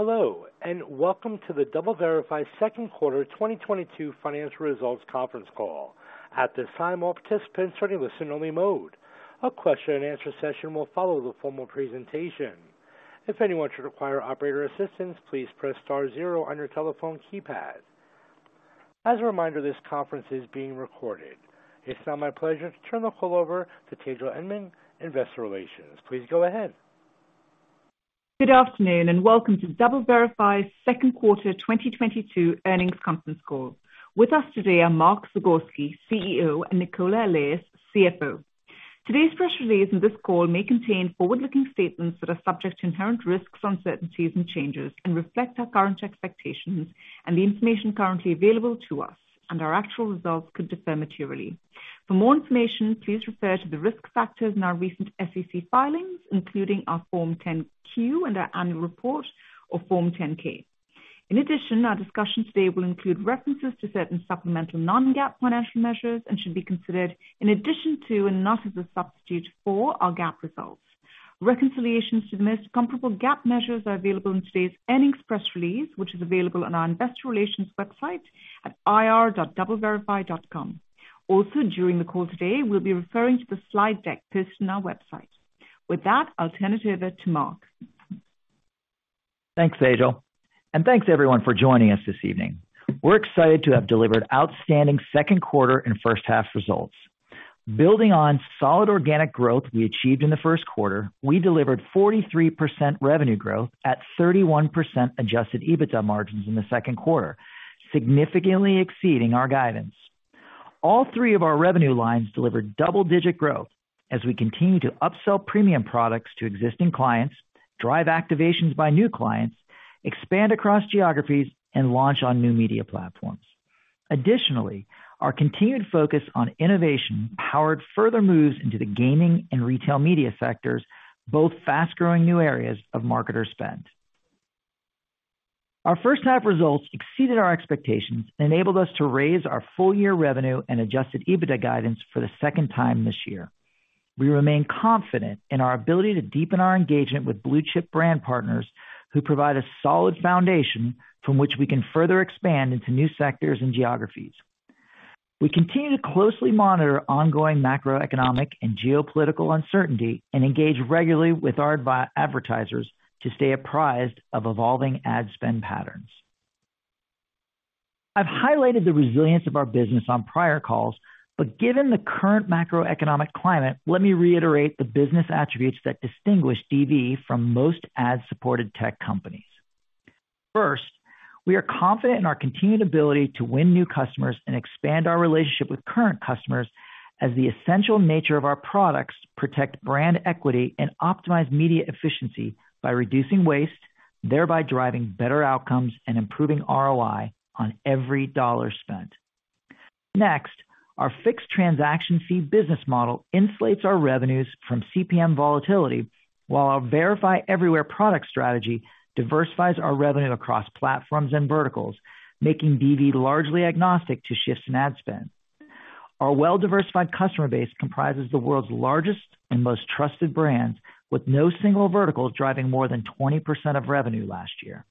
Hello, and welcome to the DoubleVerify second quarter 2022 financial results conference call. At this time, all participants are in listen-only mode. A question-and-answer session will follow the formal presentation. If anyone should require operator assistance, please press star zero on your telephone keypad. As a reminder, this conference is being recorded. It's now my pleasure to turn the call over to Tejal Engman, Investor Relations. Please go ahead. Good afternoon, and welcome to DoubleVerify's second quarter 2022 earnings conference call. With us today are Mark Zagorski, CEO, and Nicola Allais, CFO. Today's press release and this call may contain forward-looking statements that are subject to inherent risks, uncertainties, and changes and reflect our current expectations and the information currently available to us, and our actual results could differ materially. For more information, please refer to the risk factors in our recent SEC filings, including our Form 10-Q and our annual report or Form 10-K. In addition, our discussion today will include references to certain supplemental non-GAAP financial measures and should be considered in addition to, and not as a substitute for, our GAAP results. Reconciliations to the most comparable GAAP measures are available in today's earnings press release, which is available on our investor relations website at ir.doubleverify.com. Also, during the call today, we'll be referring to the slide deck posted on our website. With that, I'll turn it over to Mark. Thanks, Tejal. Thanks, everyone, for joining us this evening. We're excited to have delivered outstanding second quarter and first half results. Building on solid organic growth we achieved in the first quarter, we delivered 43% revenue growth at 31% adjusted EBITDA margins in the second quarter, significantly exceeding our guidance. All three of our revenue lines delivered double-digit growth as we continue to upsell premium products to existing clients, drive activations by new clients, expand across geographies, and launch on new media platforms. Additionally, our continued focus on innovation powered further moves into the gaming and retail media sectors, both fast-growing new areas of marketer spend. Our first half results exceeded our expectations and enabled us to raise our full year revenue and adjusted EBITDA guidance for the second time this year. We remain confident in our ability to deepen our engagement with blue-chip brand partners who provide a solid foundation from which we can further expand into new sectors and geographies. We continue to closely monitor ongoing macroeconomic and geopolitical uncertainty and engage regularly with our advertisers to stay apprised of evolving ad spend patterns. I've highlighted the resilience of our business on prior calls, but given the current macroeconomic climate, let me reiterate the business attributes that distinguish DV from most ad-supported tech companies. First, we are confident in our continued ability to win new customers and expand our relationship with current customers as the essential nature of our products protect brand equity and optimize media efficiency by reducing waste, thereby driving better outcomes and improving ROI on every dollar spent. Next, our fixed transaction fee business model insulates our revenues from CPM volatility, while our Verify Everywhere product strategy diversifies our revenue across platforms and verticals, making DV largely agnostic to shifts in ad spend. Our well-diversified customer base comprises the world's largest and most trusted brands, with no single vertical driving more than 20% of revenue last year.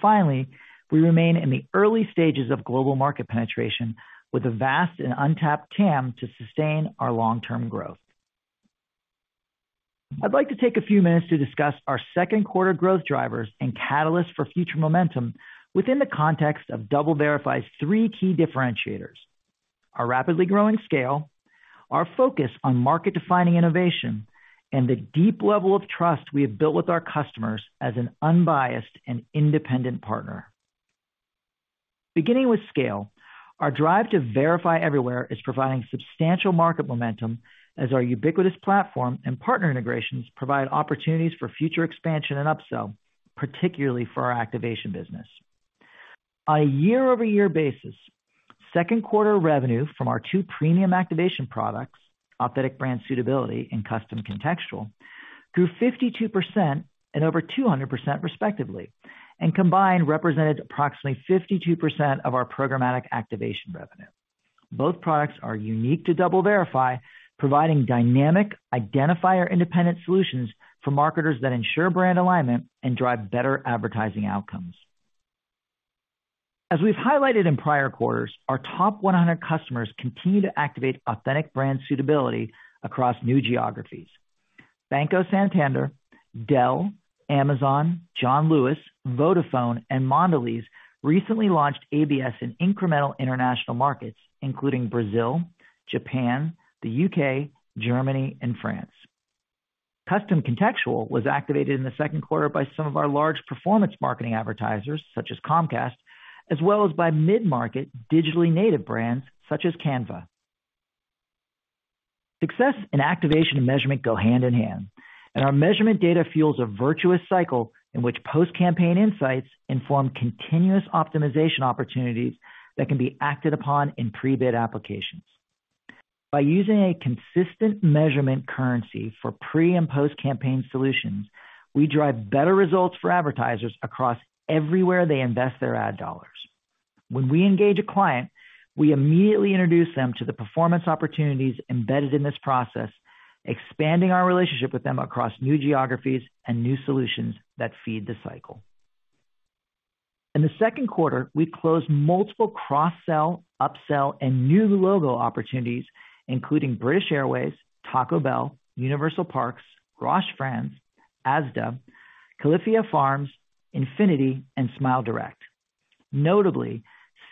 Finally, we remain in the early stages of global market penetration with a vast and untapped TAM to sustain our long-term growth. I'd like to take a few minutes to discuss our second quarter growth drivers and catalysts for future momentum within the context of DoubleVerify's three key differentiators, our rapidly growing scale, our focus on market-defining innovation, and the deep level of trust we have built with our customers as an unbiased and independent partner. Beginning with scale, our drive to Verify Everywhere is providing substantial market momentum as our ubiquitous platform and partner integrations provide opportunities for future expansion and upsell, particularly for our activation business. On a year-over-year basis, second quarter revenue from our two premium activation products, Authentic Brand Suitability and Custom Contextual, grew 52% and over 200% respectively, and combined represented approximately 52% of our programmatic activation revenue. Both products are unique to DoubleVerify, providing dynamic identifier-independent solutions for marketers that ensure brand alignment and drive better advertising outcomes. As we've highlighted in prior quarters, our top 100 customers continue to activate Authentic Brand Suitability across new geographies. Banco Santander, Dell, Amazon, John Lewis, Vodafone, and Mondelez recently launched ABS in incremental international markets, including Brazil, Japan, the U.K., Germany, and France. Custom Contextual was activated in the second quarter by some of our large performance marketing advertisers, such as Comcast, as well as by mid-market digitally native brands such as Canva. Success in activation and measurement go hand in hand, and our measurement data fuels a virtuous cycle in which post-campaign insights inform continuous optimization opportunities that can be acted upon in pre-bid applications. By using a consistent measurement currency for pre- and post-campaign solutions, we drive better results for advertisers across everywhere they invest their ad dollars. When we engage a client, we immediately introduce them to the performance opportunities embedded in this process, expanding our relationship with them across new geographies and new solutions that feed the cycle. In the second quarter, we closed multiple cross-sell, up-sell, and new logo opportunities, including British Airways, Taco Bell, Universal Parks & Resorts, Roche France, Asda, Califia Farms, Infiniti, and SmileDirectClub. Notably,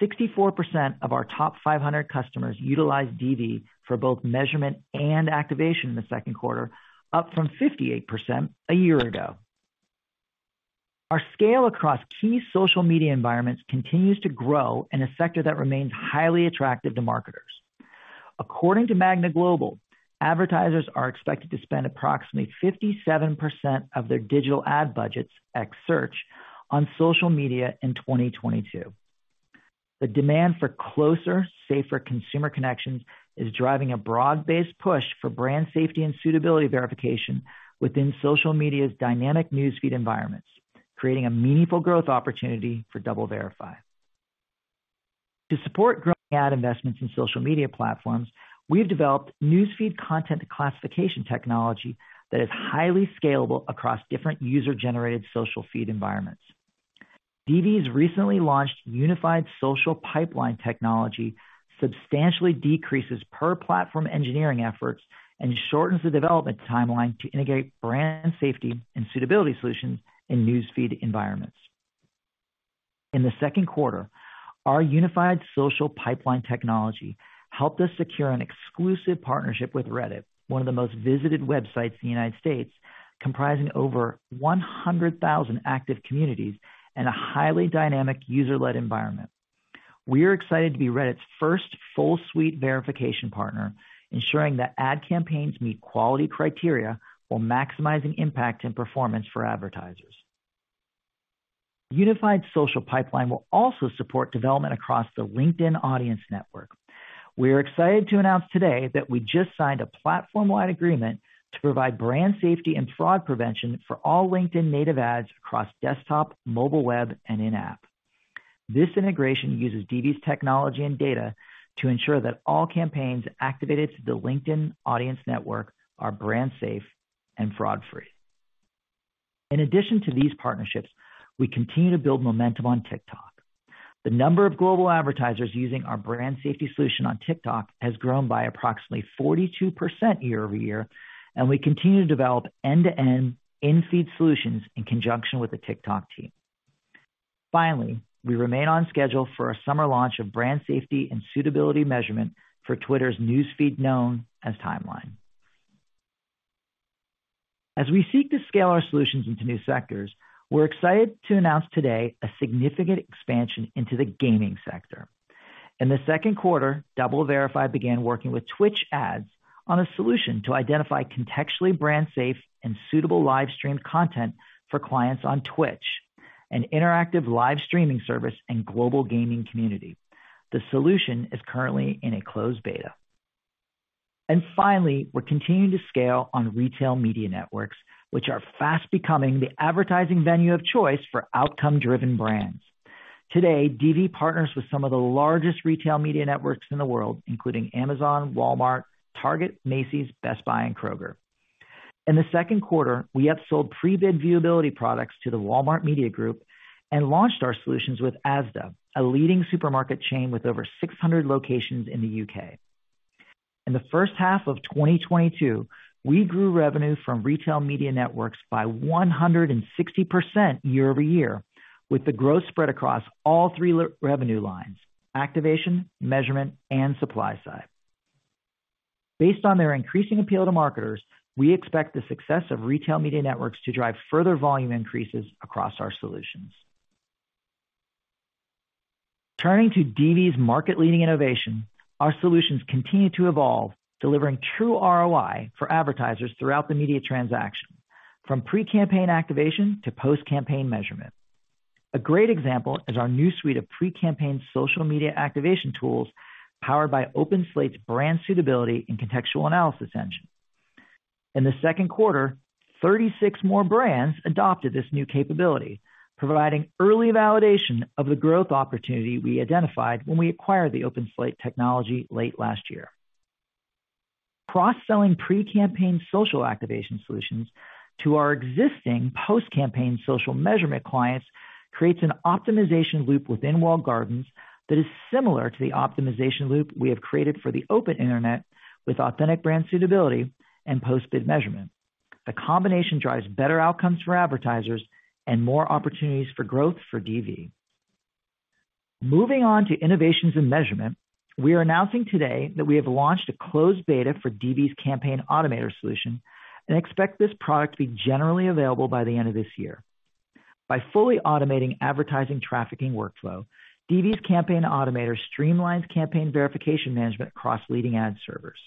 64% of our top 500 customers utilized DV for both measurement and activation in the second quarter, up from 58% a year ago. Our scale across key social media environments continues to grow in a sector that remains highly attractive to marketers. According to Magna Global, advertisers are expected to spend approximately 57% of their digital ad budgets, ex search, on social media in 2022. The demand for closer, safer consumer connections is driving a broad-based push for brand safety and suitability verification within social media's dynamic newsfeed environments, creating a meaningful growth opportunity for DoubleVerify. To support growing ad investments in social media platforms, we've developed newsfeed content classification technology that is highly scalable across different user-generated social feed environments. DV's recently launched Unified Social Pipeline technology substantially decreases per platform engineering efforts and shortens the development timeline to integrate brand safety and suitability solutions in newsfeed environments. In the second quarter, our Unified Social Pipeline technology helped us secure an exclusive partnership with Reddit, one of the most visited websites in the United States, comprising over 100,000 active communities and a highly dynamic user-led environment. We are excited to be Reddit's first full suite verification partner, ensuring that ad campaigns meet quality criteria while maximizing impact and performance for advertisers. Unified Social Pipeline will also support development across the LinkedIn audience network. We are excited to announce today that we just signed a platform-wide agreement to provide brand safety and fraud prevention for all LinkedIn native ads across desktop, mobile web, and in-app. This integration uses DV's technology and data to ensure that all campaigns activated to the LinkedIn audience network are brand safe and fraud free. In addition to these partnerships, we continue to build momentum on TikTok. The number of global advertisers using our brand safety solution on TikTok has grown by approximately 42% year-over-year, and we continue to develop end-to-end in-feed solutions in conjunction with the TikTok team. Finally, we remain on schedule for a summer launch of brand safety and suitability measurement for Twitter's newsfeed, known as Timeline. As we seek to scale our solutions into new sectors, we're excited to announce today a significant expansion into the gaming sector. In the second quarter, DoubleVerify began working with Twitch Ads on a solution to identify contextually brand safe and suitable live streamed content for clients on Twitch, an interactive live streaming service and global gaming community. The solution is currently in a closed beta. Finally, we're continuing to scale on retail media networks, which are fast becoming the advertising venue of choice for outcome-driven brands. Today, DV partners with some of the largest retail media networks in the world, including Amazon, Walmart, Target, Macy's, Best Buy, and Kroger. In the second quarter, we upsold pre-bid viewability products to the Walmart Media Group and launched our solutions with Asda, a leading supermarket chain with over 600 locations in the UK. In the first half of 2022, we grew revenue from retail media networks by 160% year-over-year, with the growth spread across all three revenue lines, activation, measurement, and supply side. Based on their increasing appeal to marketers, we expect the success of retail media networks to drive further volume increases across our solutions. Turning to DV's market-leading innovation, our solutions continue to evolve, delivering true ROI for advertisers throughout the media transaction, from pre-campaign activation to post-campaign measurement. A great example is our new suite of pre-campaign social media activation tools powered by OpenSlate's brand suitability and contextual analysis engine. In the second quarter, 36 more brands adopted this new capability, providing early validation of the growth opportunity we identified when we acquired the OpenSlate technology late last year. Cross-selling pre-campaign social activation solutions to our existing post-campaign social measurement clients creates an optimization loop within walled gardens that is similar to the optimization loop we have created for the open internet with Authentic Brand Suitability and post-bid measurement. The combination drives better outcomes for advertisers and more opportunities for growth for DV. Moving on to innovations in measurement, we are announcing today that we have launched a closed beta for DV's Campaign Automator solution and expect this product to be generally available by the end of this year. By fully automating advertising trafficking workflow, DV's Campaign Automator streamlines campaign verification management across leading ad servers.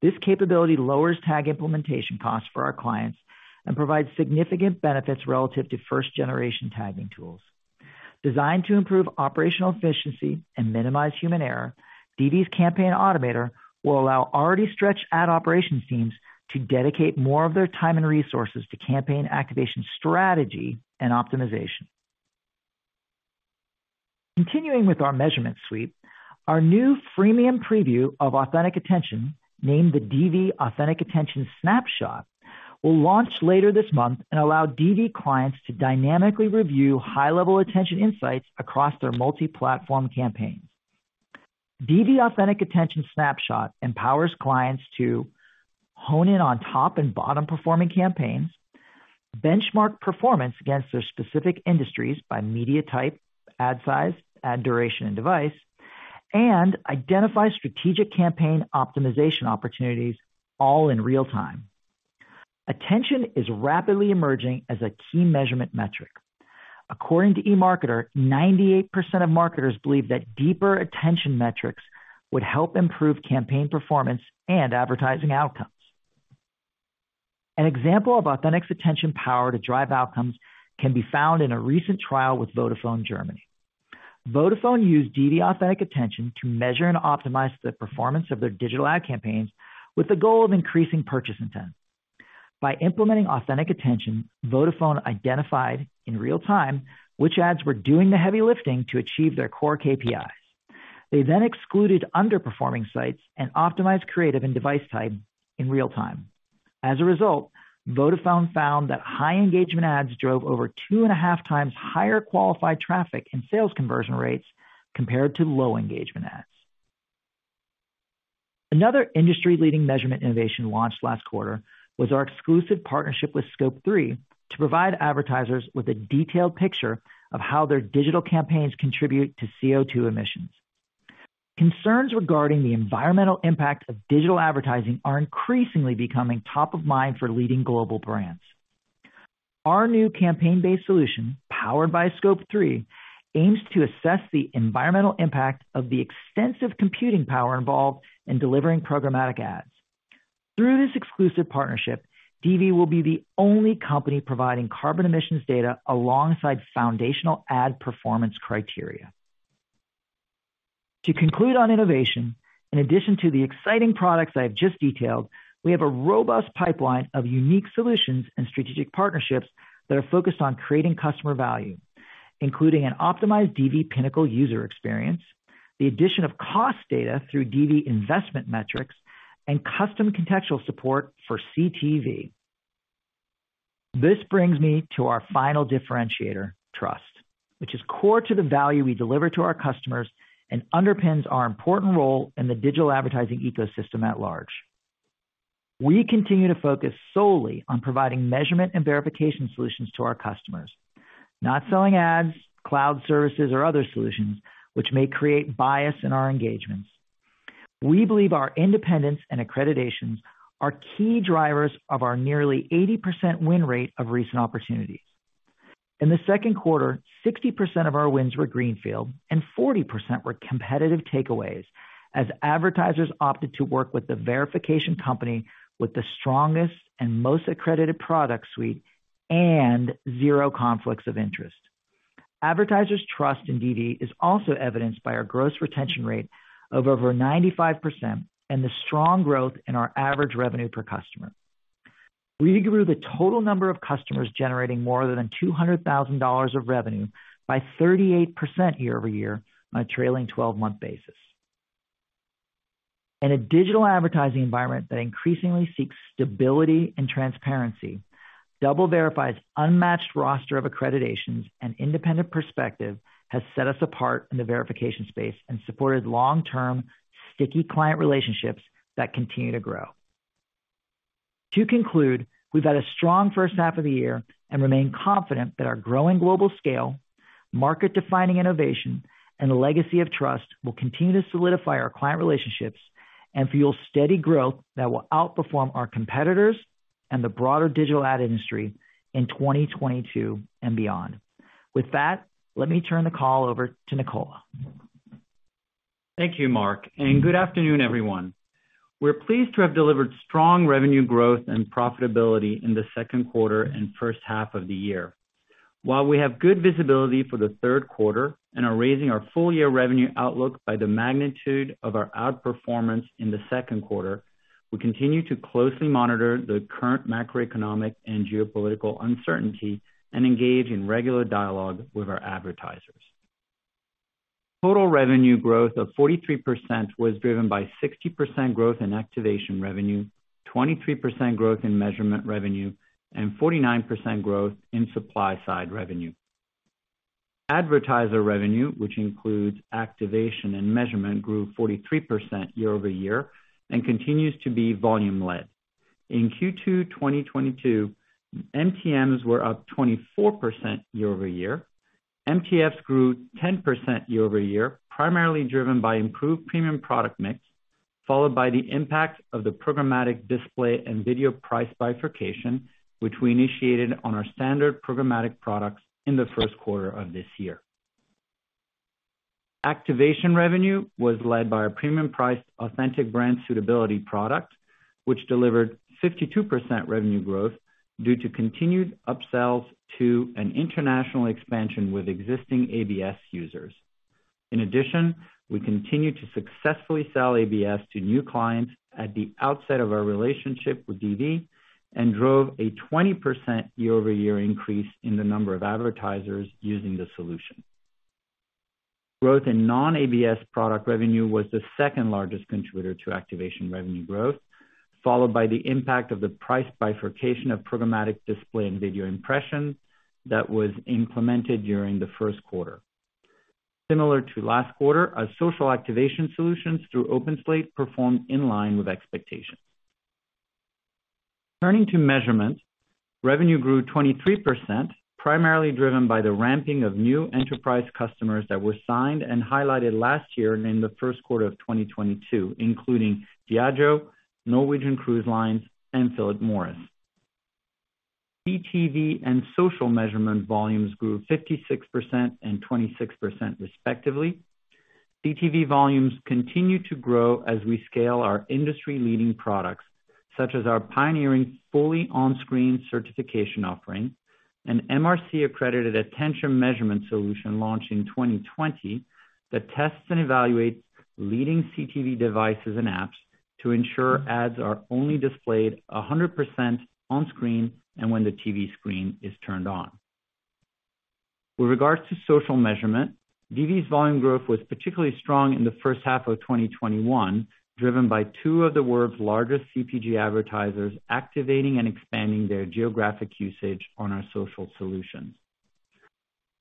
This capability lowers tag implementation costs for our clients and provides significant benefits relative to first-generation tagging tools. Designed to improve operational efficiency and minimize human error, DV's Campaign Automator will allow already stretched ad operations teams to dedicate more of their time and resources to campaign activation strategy and optimization. Continuing with our measurement suite, our new freemium preview of Authentic Attention, named the DV Authentic Attention Snapshot, will launch later this month and allow DV clients to dynamically review high-level attention insights across their multi-platform campaigns. DV Authentic Attention Snapshot empowers clients to hone in on top and bottom-performing campaigns, benchmark performance against their specific industries by media type, ad size, ad duration, and device, and identify strategic campaign optimization opportunities all in real time. Attention is rapidly emerging as a key measurement metric. According to eMarketer, 98% of marketers believe that deeper attention metrics would help improve campaign performance and advertising outcomes. An example of Authentic's attention power to drive outcomes can be found in a recent trial with Vodafone Germany. Vodafone used DV Authentic Attention to measure and optimize the performance of their digital ad campaigns with the goal of increasing purchase intent. By implementing Authentic Attention, Vodafone identified in real time which ads were doing the heavy lifting to achieve their core KPIs. They then excluded underperforming sites and optimized creative and device type in real time. As a result, Vodafone found that high engagement ads drove over two and a half times higher qualified traffic and sales conversion rates compared to low engagement ads. Another industry-leading measurement innovation launched last quarter was our exclusive partnership with Scope3 to provide advertisers with a detailed picture of how their digital campaigns contribute to CO₂ emissions. Concerns regarding the environmental impact of digital advertising are increasingly becoming top of mind for leading global brands. Our new campaign-based solution, powered by Scope3, aims to assess the environmental impact of the extensive computing power involved in delivering programmatic ads. Through this exclusive partnership, DV will be the only company providing carbon emissions data alongside foundational ad performance criteria. To conclude on innovation, in addition to the exciting products I have just detailed, we have a robust pipeline of unique solutions and strategic partnerships that are focused on creating customer value, including an optimized DV Pinnacle user experience, the addition of cost data through DV Investment Metrics, and Custom Contextual support for CTV. This brings me to our final differentiator, trust, which is core to the value we deliver to our customers and underpins our important role in the digital advertising ecosystem at large. We continue to focus solely on providing measurement and verification solutions to our customers, not selling ads, cloud services, or other solutions which may create bias in our engagements. We believe our independence and accreditations are key drivers of our nearly 80% win rate of recent opportunities. In the second quarter, 60% of our wins were greenfield and 40% were competitive takeaways as advertisers opted to work with the verification company with the strongest and most accredited product suite and zero conflicts of interest. Advertisers' trust in DV is also evidenced by our gross retention rate of over 95% and the strong growth in our average revenue per customer. We grew the total number of customers generating more than $200,000 of revenue by 38% year-over-year on a trailing twelve-month basis. In a digital advertising environment that increasingly seeks stability and transparency, DoubleVerify's unmatched roster of accreditations and independent perspective has set us apart in the verification space and supported long-term sticky client relationships that continue to grow. To conclude, we've had a strong first half of the year and remain confident that our growing global scale, market-defining innovation, and a legacy of trust will continue to solidify our client relationships and fuel steady growth that will outperform our competitors and the broader digital ad industry in 2022 and beyond. With that, let me turn the call over to Nicola. Thank you, Mark, and good afternoon, everyone. We're pleased to have delivered strong revenue growth and profitability in the second quarter and first half of the year. While we have good visibility for the third quarter and are raising our full-year revenue outlook by the magnitude of our outperformance in the second quarter, we continue to closely monitor the current macroeconomic and geopolitical uncertainty and engage in regular dialogue with our advertisers. Total revenue growth of 43% was driven by 60% growth in activation revenue, 23% growth in measurement revenue, and 49% growth in supply side revenue. Advertiser revenue, which includes activation and measurement, grew 43% year-over-year and continues to be volume-led. In Q2 2022, MTMs were up 24% year-over-year. MTFs grew 10% year-over-year, primarily driven by improved premium product mix, followed by the impact of the programmatic display and video price bifurcation, which we initiated on our standard programmatic products in the first quarter of this year. Activation revenue was led by our premium-priced Authentic Brand Suitability product, which delivered 52% revenue growth due to continued upsells to an international expansion with existing ABS users. In addition, we continue to successfully sell ABS to new clients at the outset of our relationship with DV, and drove a 20% year-over-year increase in the number of advertisers using the solution. Growth in non-ABS product revenue was the second largest contributor to activation revenue growth, followed by the impact of the price bifurcation of programmatic display and video impressions that was implemented during the first quarter. Similar to last quarter, our social activation solutions through OpenSlate performed in line with expectations. Turning to measurement, revenue grew 23%, primarily driven by the ramping of new enterprise customers that were signed and highlighted last year in the first quarter of 2022, including Diageo, Norwegian Cruise Line, and Philip Morris. CTV and social measurement volumes grew 56% and 26% respectively. CTV volumes continue to grow as we scale our industry-leading products, such as our pioneering fully on-screen certification offering, an MRC-accredited attention measurement solution launched in 2020 that tests and evaluates leading CTV devices and apps to ensure ads are only displayed 100% on screen and when the TV screen is turned on. With regards to social measurement, DV's volume growth was particularly strong in the first half of 2021, driven by two of the world's largest CPG advertisers activating and expanding their geographic usage on our social solutions.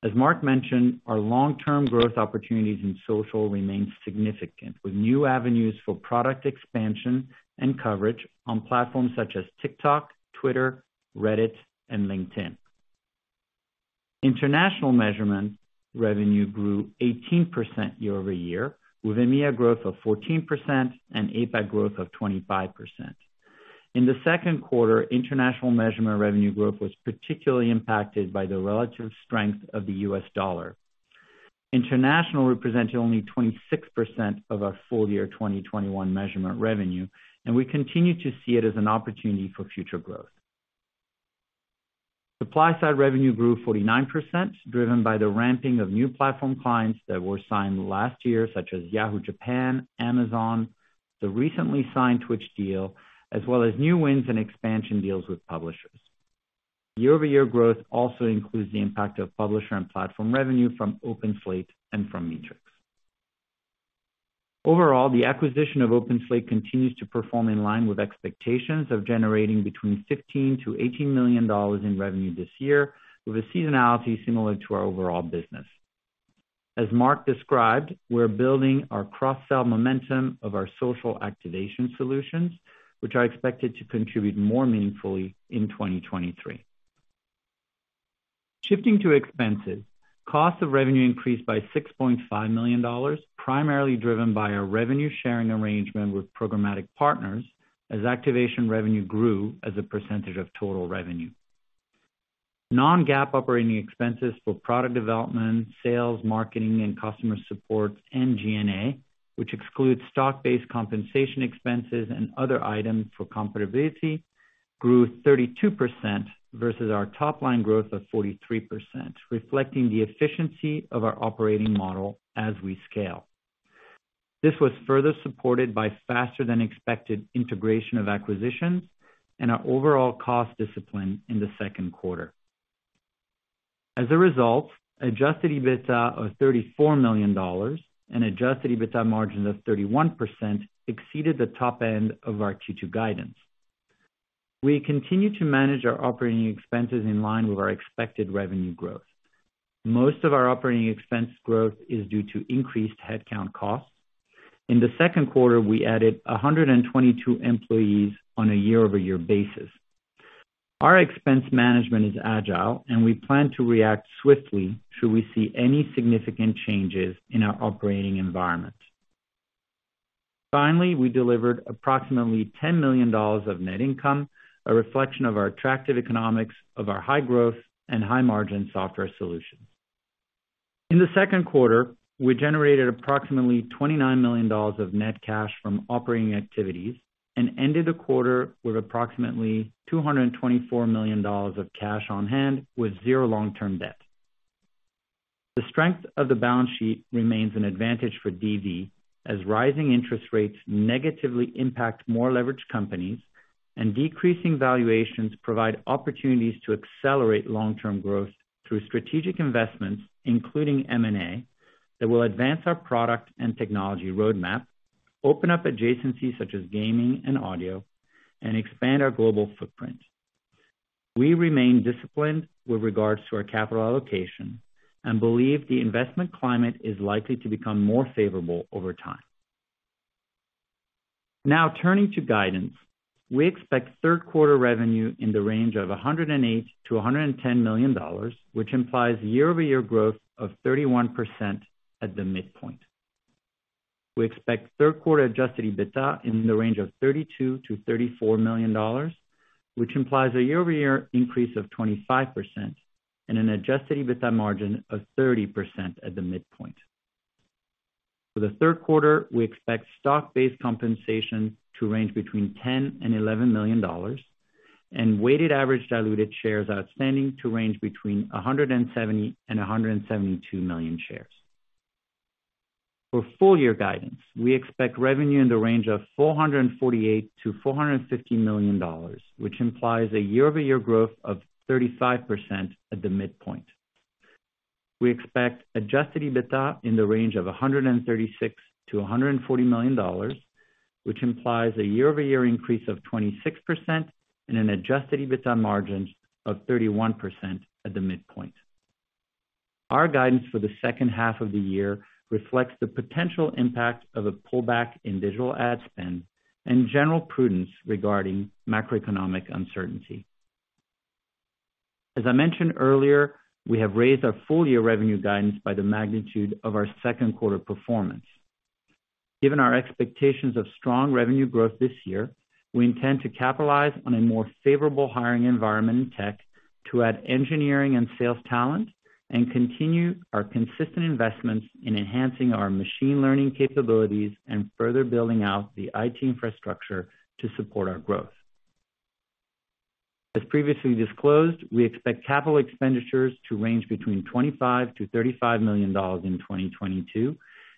As Mark mentioned, our long-term growth opportunities in social remain significant, with new avenues for product expansion and coverage on platforms such as TikTok, Twitter, Reddit, and LinkedIn. International measurement revenue grew 18% year-over-year, with EMEA growth of 14% and APAC growth of 25%. In the second quarter, international measurement revenue growth was particularly impacted by the relative strength of the U.S. dollar. International represented only 26% of our full year 2021 measurement revenue, and we continue to see it as an opportunity for future growth. Supply-side revenue grew 49%, driven by the ramping of new platform clients that were signed last year, such as Yahoo! Japan, Amazon, the recently signed Twitch deal, as well as new wins and expansion deals with publishers. Year-over-year growth also includes the impact of publisher and platform revenue from OpenSlate and from Matrix. Overall, the acquisition of OpenSlate continues to perform in line with expectations of generating between $15 million and $18 million in revenue this year, with a seasonality similar to our overall business. As Mark described, we're building our cross-sell momentum of our social activation solutions, which are expected to contribute more meaningfully in 2023. Shifting to expenses, cost of revenue increased by $6.5 million, primarily driven by our revenue-sharing arrangement with programmatic partners as activation revenue grew as a percentage of total revenue. Non-GAAP operating expenses for product development, sales, marketing, and customer support, and G&A, which excludes stock-based compensation expenses and other items for comparability, grew 32% versus our top line growth of 43%, reflecting the efficiency of our operating model as we scale. This was further supported by faster than expected integration of acquisitions and our overall cost discipline in the second quarter. As a result, adjusted EBITDA of $34 million and adjusted EBITDA margin of 31% exceeded the top end of our Q2 guidance. We continue to manage our operating expenses in line with our expected revenue growth. Most of our operating expense growth is due to increased headcount costs. In the second quarter, we added 122 employees on a year-over-year basis. Our expense management is agile, and we plan to react swiftly should we see any significant changes in our operating environment. Finally, we delivered approximately $10 million of net income, a reflection of our attractive economics of our high-growth and high-margin software solutions. In the second quarter, we generated approximately $29 million of net cash from operating activities and ended the quarter with approximately $224 million of cash on hand with zero long-term debt. The strength of the balance sheet remains an advantage for DV as rising interest rates negatively impact more leveraged companies and decreasing valuations provide opportunities to accelerate long-term growth through strategic investments, including M&A, that will advance our product and technology roadmap, open up adjacencies such as gaming and audio, and expand our global footprint. We remain disciplined with regards to our capital allocation and believe the investment climate is likely to become more favorable over time. Now, turning to guidance, we expect third quarter revenue in the range of $108 million-$110 million, which implies year-over-year growth of 31% at the midpoint. We expect third quarter adjusted EBITDA in the range of $32 million-$34 million, which implies a year-over-year increase of 25% and an adjusted EBITDA margin of 30% at the midpoint. For the third quarter, we expect stock-based compensation to range between $10 million and $11 million and weighted average diluted shares outstanding to range between 170 million and 172 million shares. For full year guidance, we expect revenue in the range of $448 million-$450 million, which implies a year-over-year growth of 35% at the midpoint. We expect adjusted EBITDA in the range of $136 million-$140 million, which implies a year-over-year increase of 26% and an adjusted EBITDA margin of 31% at the midpoint. Our guidance for the second half of the year reflects the potential impact of a pullback in digital ad spend and general prudence regarding macroeconomic uncertainty. As I mentioned earlier, we have raised our full-year revenue guidance by the magnitude of our second quarter performance. Given our expectations of strong revenue growth this year, we intend to capitalize on a more favorable hiring environment in tech to add engineering and sales talent and continue our consistent investments in enhancing our machine learning capabilities and further building out the IT infrastructure to support our growth. As previously disclosed, we expect capital expenditures to range between $25 million-$35 million in 2022,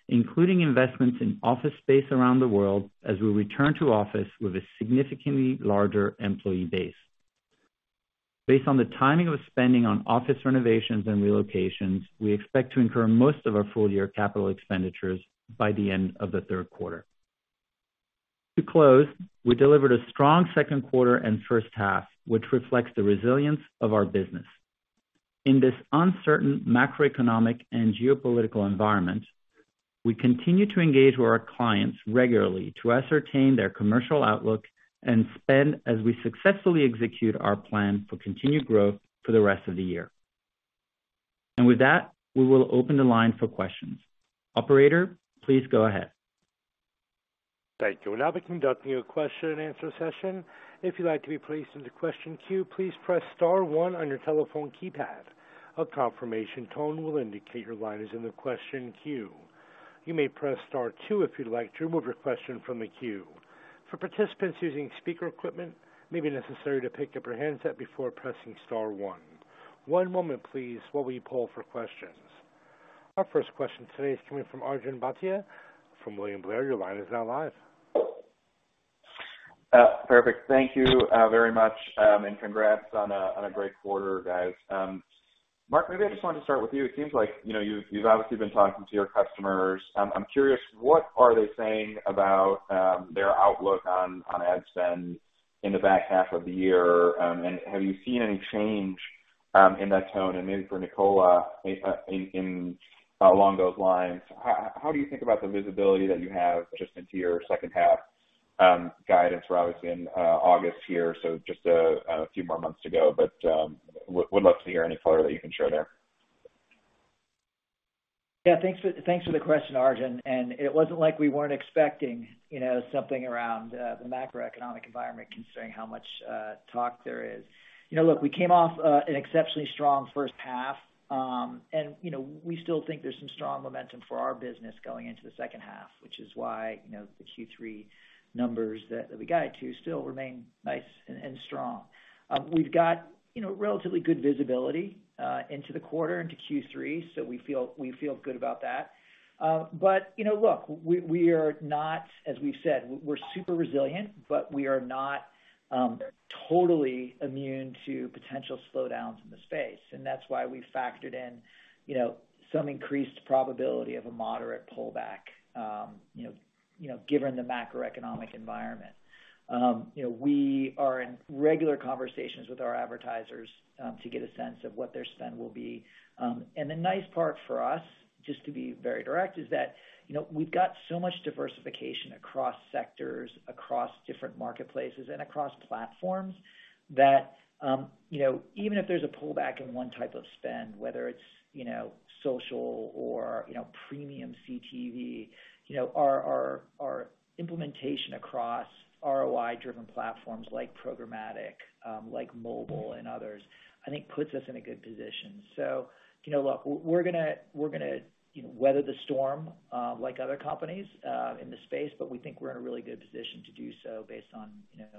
including investments in office space around the world as we return to office with a significantly larger employee base. Based on the timing of spending on office renovations and relocations, we expect to incur most of our full-year capital expenditures by the end of the third quarter. To close, we delivered a strong second quarter and first half, which reflects the resilience of our business. In this uncertain macroeconomic and geopolitical environment, we continue to engage with our clients regularly to ascertain their commercial outlook and spend as we successfully execute our plan for continued growth for the rest of the year. With that, we will open the line for questions. Operator, please go ahead. Thank you. We'll now be conducting a question-and-answer session. If you'd like to be placed into question queue, please press star one on your telephone keypad. A confirmation tone will indicate your line is in the question queue. You may press star two if you'd like to remove your question from the queue. For participants using speaker equipment, it may be necessary to pick up your handset before pressing star one. One moment please while we poll for questions. Our first question today is coming from Arjun Bhatia from William Blair. Your line is now live. Perfect. Thank you very much, and congrats on a great quarter, guys. Mark, maybe I just wanted to start with you. It seems like, you know, you've obviously been talking to your customers. I'm curious, what are they saying about their outlook on ad spend in the back half of the year? And have you seen any change in that tone? Maybe for Nicola, along those lines, how do you think about the visibility that you have just into your second half guidance. We're obviously in August here, so just a few more months to go. Would love to hear any color that you can share there. Yeah. Thanks for the question, Arjun. It wasn't like we weren't expecting, you know, something around the macroeconomic environment considering how much talk there is. You know, look, we came off an exceptionally strong first half. You know, we still think there's some strong momentum for our business going into the second half, which is why, you know, the Q3 numbers that we guide to still remain nice and strong. We've got, you know, relatively good visibility into the quarter into Q3, so we feel good about that. You know, look, we are not, as we've said, we're super resilient, but we are not totally immune to potential slowdowns in the space. That's why we factored in, you know, some increased probability of a moderate pullback, you know, given the macroeconomic environment. You know, we are in regular conversations with our advertisers, to get a sense of what their spend will be. The nice part for us, just to be very direct, is that, you know, we've got so much diversification across sectors, across different marketplaces, and across platforms that, you know, even if there's a pullback in one type of spend, whether it's, you know, social or, you know, premium CTV, you know, our implementation across ROI-driven platforms like programmatic, like mobile and others, I think puts us in a good position. You know, look, we're gonna weather the storm like other companies in the space, but we think we're in a really good position to do so based on, you know.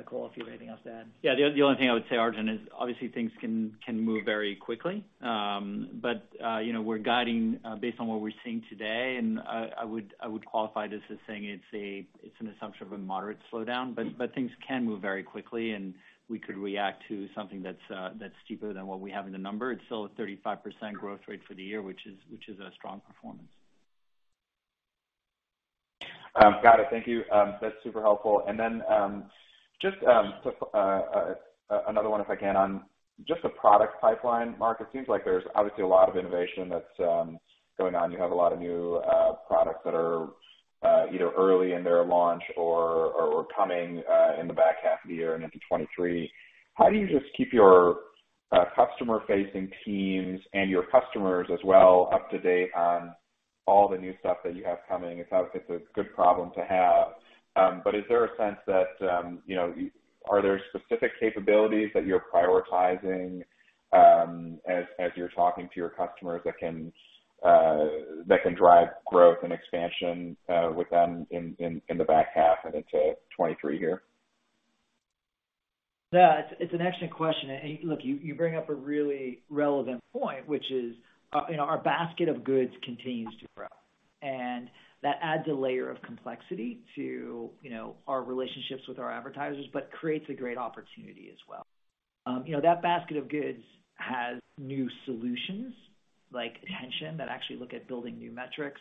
Nicola, if you have anything else to add. Yeah. The only thing I would say, Arjun, is obviously things can move very quickly. You know, we're guiding based on what we're seeing today, and I would qualify this as saying it's an assumption of a moderate slowdown, but things can move very quickly, and we could react to something that's steeper than what we have in the number. It's still a 35% growth rate for the year, which is a strong performance. Got it. Thank you. That's super helpful. Then, just, so, another one, if I can, on just the product pipeline. Mark, it seems like there's obviously a lot of innovation that's going on. You have a lot of new products that are either early in their launch or coming in the back half of the year and into 2023. How do you just keep your customer-facing teams and your customers as well up to date on all the new stuff that you have coming? It's obviously a good problem to have. Is there a sense that, you know, are there specific capabilities that you're prioritizing? As you're talking to your customers that can drive growth and expansion with them in the back half and into 2023 here. Yeah. It's an excellent question. Look, you bring up a really relevant point, which is, you know, our basket of goods continues to grow, and that adds a layer of complexity to, you know, our relationships with our advertisers, but creates a great opportunity as well. You know, that basket of goods has new solutions, like Attention, that actually look at building new metrics,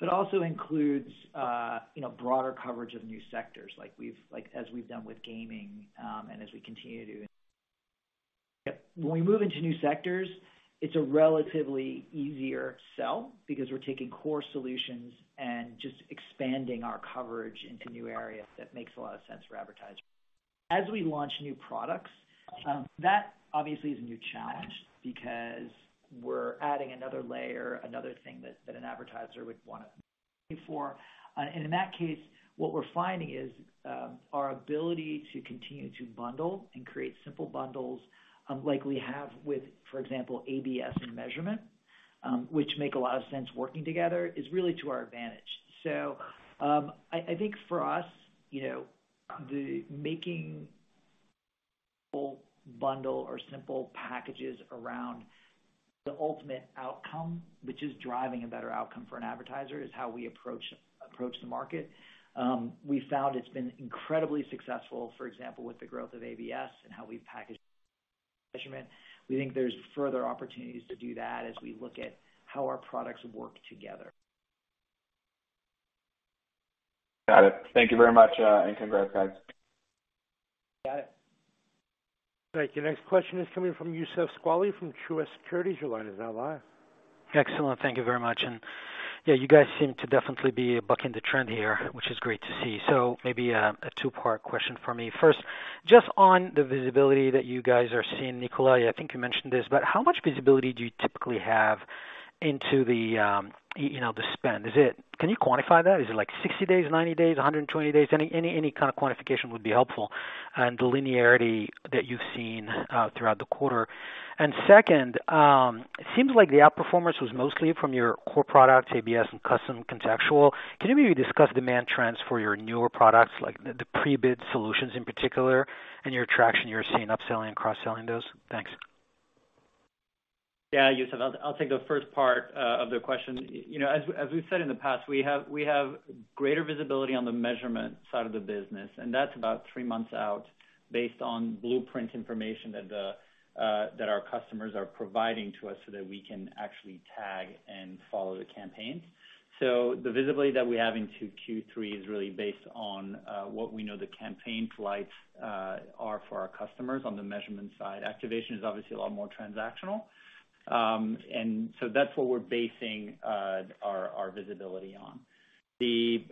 but also includes, you know, broader coverage of new sectors like as we've done with gaming, and as we continue to. When we move into new sectors, it's a relatively easier sell because we're taking core solutions and just expanding our coverage into new areas that makes a lot of sense for advertisers. As we launch new products, that obviously is a new challenge because we're adding another layer, another thing that an advertiser would wanna pay for. In that case, what we're finding is, our ability to continue to bundle and create simple bundles, like we have with, for example, ABS and Measurement, which make a lot of sense working together, is really to our advantage. I think for us, you know, the making whole bundle or simple packages around the ultimate outcome, which is driving a better outcome for an advertiser, is how we approach the market. We found it's been incredibly successful, for example, with the growth of ABS and how we package measurement. We think there's further opportunities to do that as we look at how our products work together. Got it. Thank you very much, and congrats, guys. Got it. Thank you. Next question is coming from Youssef Squali from Truist Securities. Your line is now live. Excellent. Thank you very much. Yeah, you guys seem to definitely be bucking the trend here, which is great to see. Maybe a two-part question for me. First, just on the visibility that you guys are seeing, Nicola, I think you mentioned this, but how much visibility do you typically have into the, you know, the spend? Can you quantify that? Is it like 60 days, 90 days, 120 days? Any kind of quantification would be helpful and the linearity that you've seen throughout the quarter. Second, it seems like the outperformance was mostly from your core products, ABS and Custom Contextual. Can you maybe discuss demand trends for your newer products, like the pre-bid solutions in particular and your traction you're seeing upselling and cross-selling those? Thanks. Yeah. Youssef, I'll take the first part of the question. You know, as we've said in the past, we have greater visibility on the measurement side of the business, and that's about three months out based on blueprint information that our customers are providing to us so that we can actually tag and follow the campaigns. So the visibility that we have into Q3 is really based on what we know the campaign flights are for our customers on the measurement side. Activation is obviously a lot more transactional. That's what we're basing our visibility on. The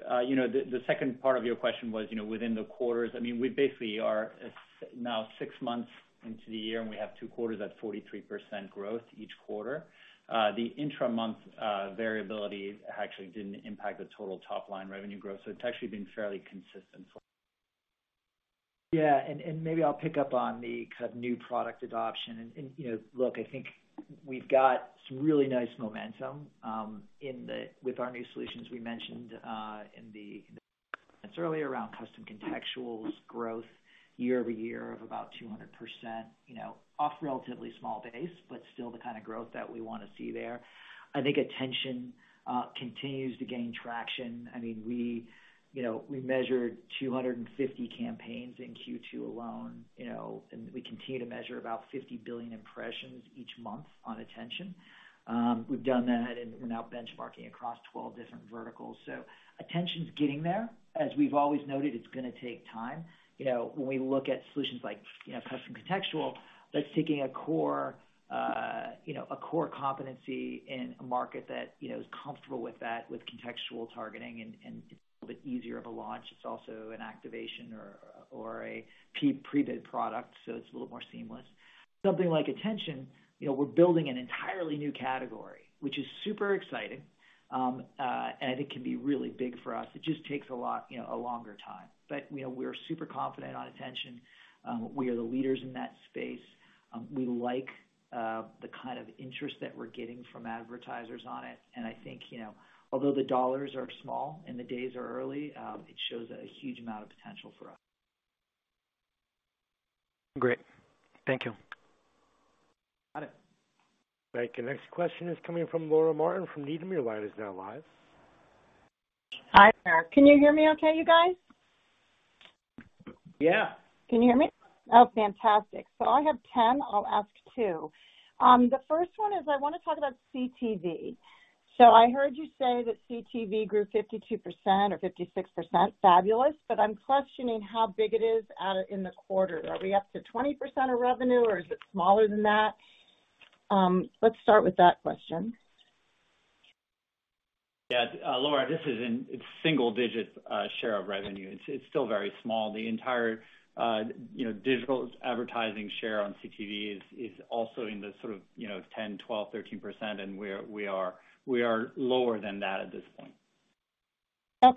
second part of your question was, you know, within the quarters. I mean, we basically are now six months into the year, and we have two quarters at 43% growth each quarter. The intra-month variability actually didn't impact the total top-line revenue growth, so it's actually been fairly consistent. Yeah. Maybe I'll pick up on the kind of new product adoption. You know, look, I think we've got some really nice momentum in the with our new solutions we mentioned in the comments earlier around Custom Contextual's growth year-over-year of about 200%, you know, off a relatively small base, but still the kind of growth that we wanna see there. I think Attention continues to gain traction. I mean, we measured 250 campaigns in Q2 alone, you know, and we continue to measure about 50 billion impressions each month on Attention. We've done that, and we're now benchmarking across 12 different verticals. Attention's getting there. As we've always noted, it's gonna take time. You know, when we look at solutions like, you know, Custom Contextual, that's taking a core competency in a market that, you know, is comfortable with that, with contextual targeting, and it's a little bit easier of a launch. It's also an activation or a pre-bid product, so it's a little more seamless. Something like Attention, you know, we're building an entirely new category, which is super exciting, and it can be really big for us. It just takes a lot, you know, a longer time. You know, we're super confident on Attention. We are the leaders in that space. We like the kind of interest that we're getting from advertisers on it. I think, you know, although the dollars are small and the days are early, it shows a huge amount of potential for us. Great. Thank you. Got it. Thank you. Next question is coming from Laura Martin from Needham. Your line is now live. Hi there. Can you hear me okay, you guys? Yeah. Can you hear me? Oh, fantastic. I have 10, I'll ask two. The first one is I wanna talk about CTV. I heard you say that CTV grew 52% or 56%. Fabulous. I'm questioning how big it is in the quarter. Are we up to 20% of revenue, or is it smaller than that? Let's start with that question. Yeah. Laura, this is in single digits share of revenue. It's still very small. The entire you know digital advertising share on CTV is also in the sort of you know 10, 12, 13%, and we are lower than that at this point. That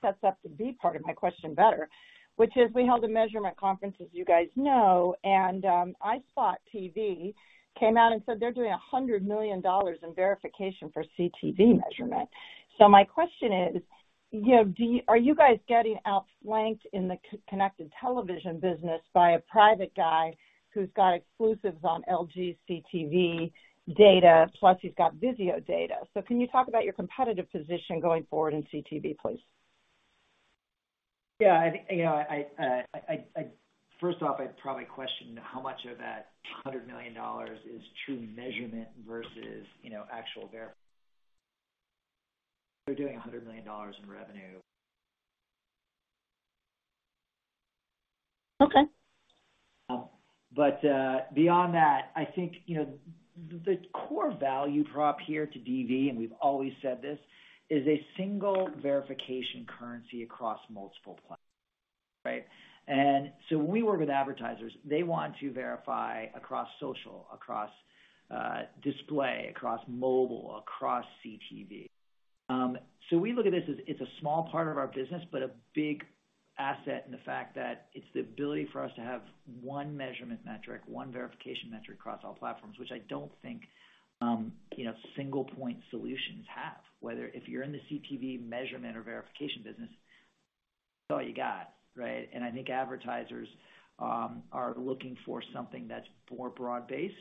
sets up the B part of my question better, which is we held a measurement conference, as you guys know, and iSpot.tv came out and said they're doing $100 million in verification for CTV measurement. My question is, you know, are you guys getting outflanked in the connected television business by a private guy who's got exclusives on LGCTV data, plus he's got VIZIO data? Can you talk about your competitive position going forward in CTV, please? Yeah, I think, you know, I first off, I'd probably question how much of that $200 million is true measurement versus, you know. They're doing $100 million in revenue. Okay. Beyond that, I think, you know, the core value prop here to DV, and we've always said this, is a single verification currency across multiple platforms. Right? When we work with advertisers, they want to verify across social, across display, across mobile, across CTV. We look at this as it's a small part of our business, but a big asset in the fact that it's the ability for us to have one measurement metric, one verification metric across all platforms, which I don't think single point solutions have. Whether if you're in the CTV measurement or verification business, it's all you got, right? I think advertisers are looking for something that's more broad-based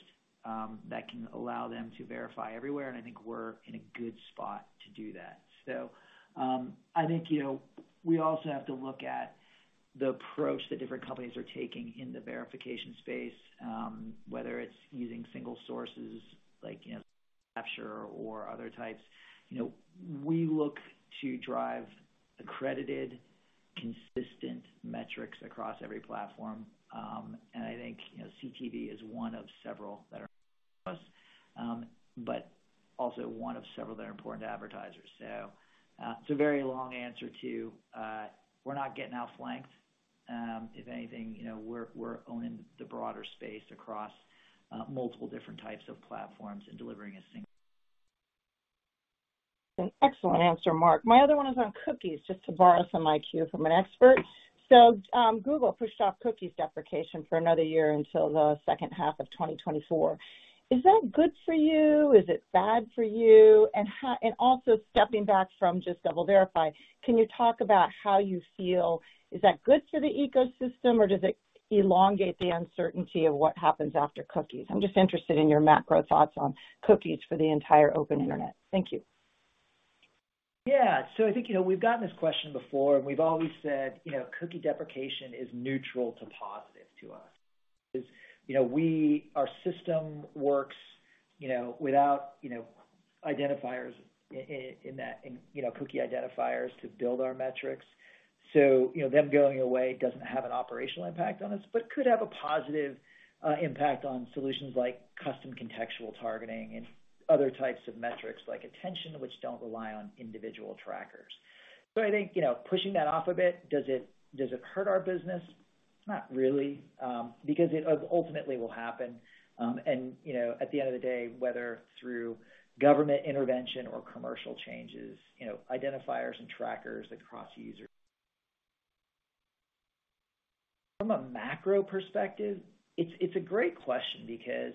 that can allow them to verify everywhere, and I think we're in a good spot to do that. I think, you know, we also have to look at the approach that different companies are taking in the verification space, whether it's using single sources like, you know, ACR or other types. You know, we look to drive accredited, consistent metrics across every platform. I think, you know, CTV is one of several that are important to us, but also one of several that are important to advertisers. It's a very long answer to, we're not getting outflanked. If anything, you know, we're owning the broader space across multiple different types of platforms and delivering a single. An excellent answer, Mark. My other one is on cookies, just to borrow some IQ from an expert. Google pushed off cookies deprecation for another year until the second half of 2024. Is that good for you? Is it bad for you? And also stepping back from just DoubleVerify, can you talk about how you feel? Is that good for the ecosystem, or does it elongate the uncertainty of what happens after cookies? I'm just interested in your macro thoughts on cookies for the entire open internet. Thank you. Yeah. I think, you know, we've gotten this question before, and we've always said, you know, cookie deprecation is neutral to positive to us. 'Cause, you know, our system works, you know, without, you know, identifiers in that and, you know, cookie identifiers to build our metrics. You know, them going away doesn't have an operational impact on us, but could have a positive impact on solutions like custom contextual targeting and other types of metrics like attention, which don't rely on individual trackers. I think, you know, pushing that off a bit, does it hurt our business? Not really, because it ultimately will happen. You know, at the end of the day, whether through government intervention or commercial changes. From a macro perspective, it's a great question because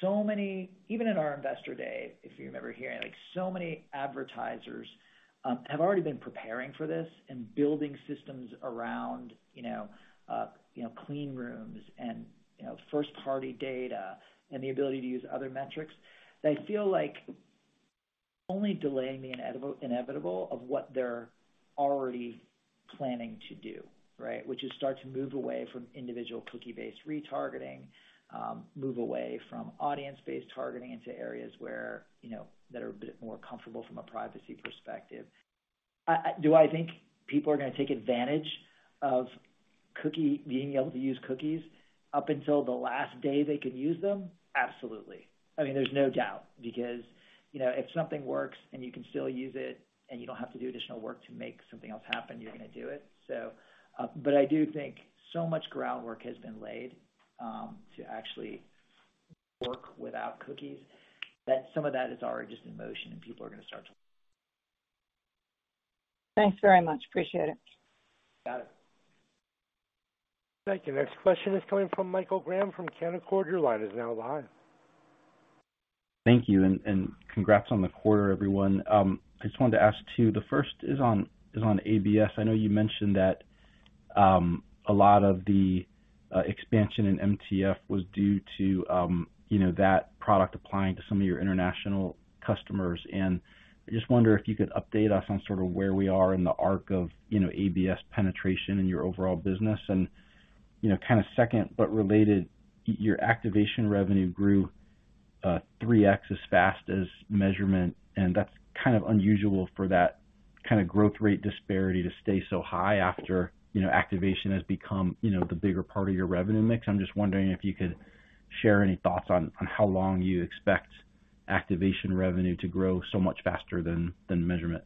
so many, even in our investor day, if you remember hearing, like, so many advertisers have already been preparing for this and building systems around, you know, clean rooms and, you know, first-party data and the ability to use other metrics. They feel like only delaying the inevitable of what they're already planning to do, right? Which is start to move away from individual cookie-based retargeting, move away from audience-based targeting into areas where, you know, that are a bit more comfortable from a privacy perspective. Do I think people are gonna take advantage of being able to use cookies up until the last day they can use them? Absolutely. I mean, there's no doubt because, you know, if something works and you can still use it and you don't have to do additional work to make something else happen, you're gonna do it, so. I do think so much groundwork has been laid to actually work without cookies, that some of that is already just in motion. Thanks very much. Appreciate it. Got it. Thank you. Next question is coming from Michael Graham from Canaccord Genuity. Your line is now live. Thank you, and congrats on the quarter, everyone. I just wanted to ask two. The first is on ABS. I know you mentioned that, a lot of the expansion in MTF was due to, you know, that product applying to some of your international customers. I just wonder if you could update us on sort of where we are in the arc of, you know, ABS penetration in your overall business. You know, kind of second but related, your activation revenue grew 3x as fast as measurement, and that's kind of unusual for that kinda growth rate disparity to stay so high after, you know, activation has become, you know, the bigger part of your revenue mix. I'm just wondering if you could share any thoughts on how long you expect activation revenue to grow so much faster than measurement?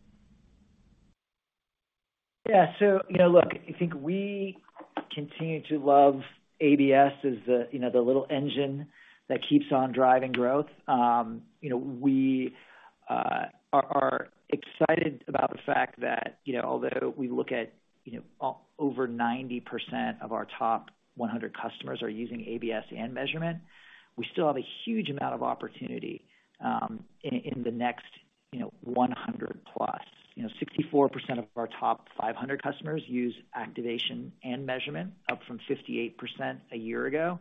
Yeah, you know, look, I think we continue to love ABS as the, you know, the little engine that keeps on driving growth. We are excited about the fact that, you know, although we look at over 90% of our top 100 customers are using ABS and measurement, we still have a huge amount of opportunity in the next 100 plus. 64% of our top 500 customers use activation and measurement, up from 58% a year ago.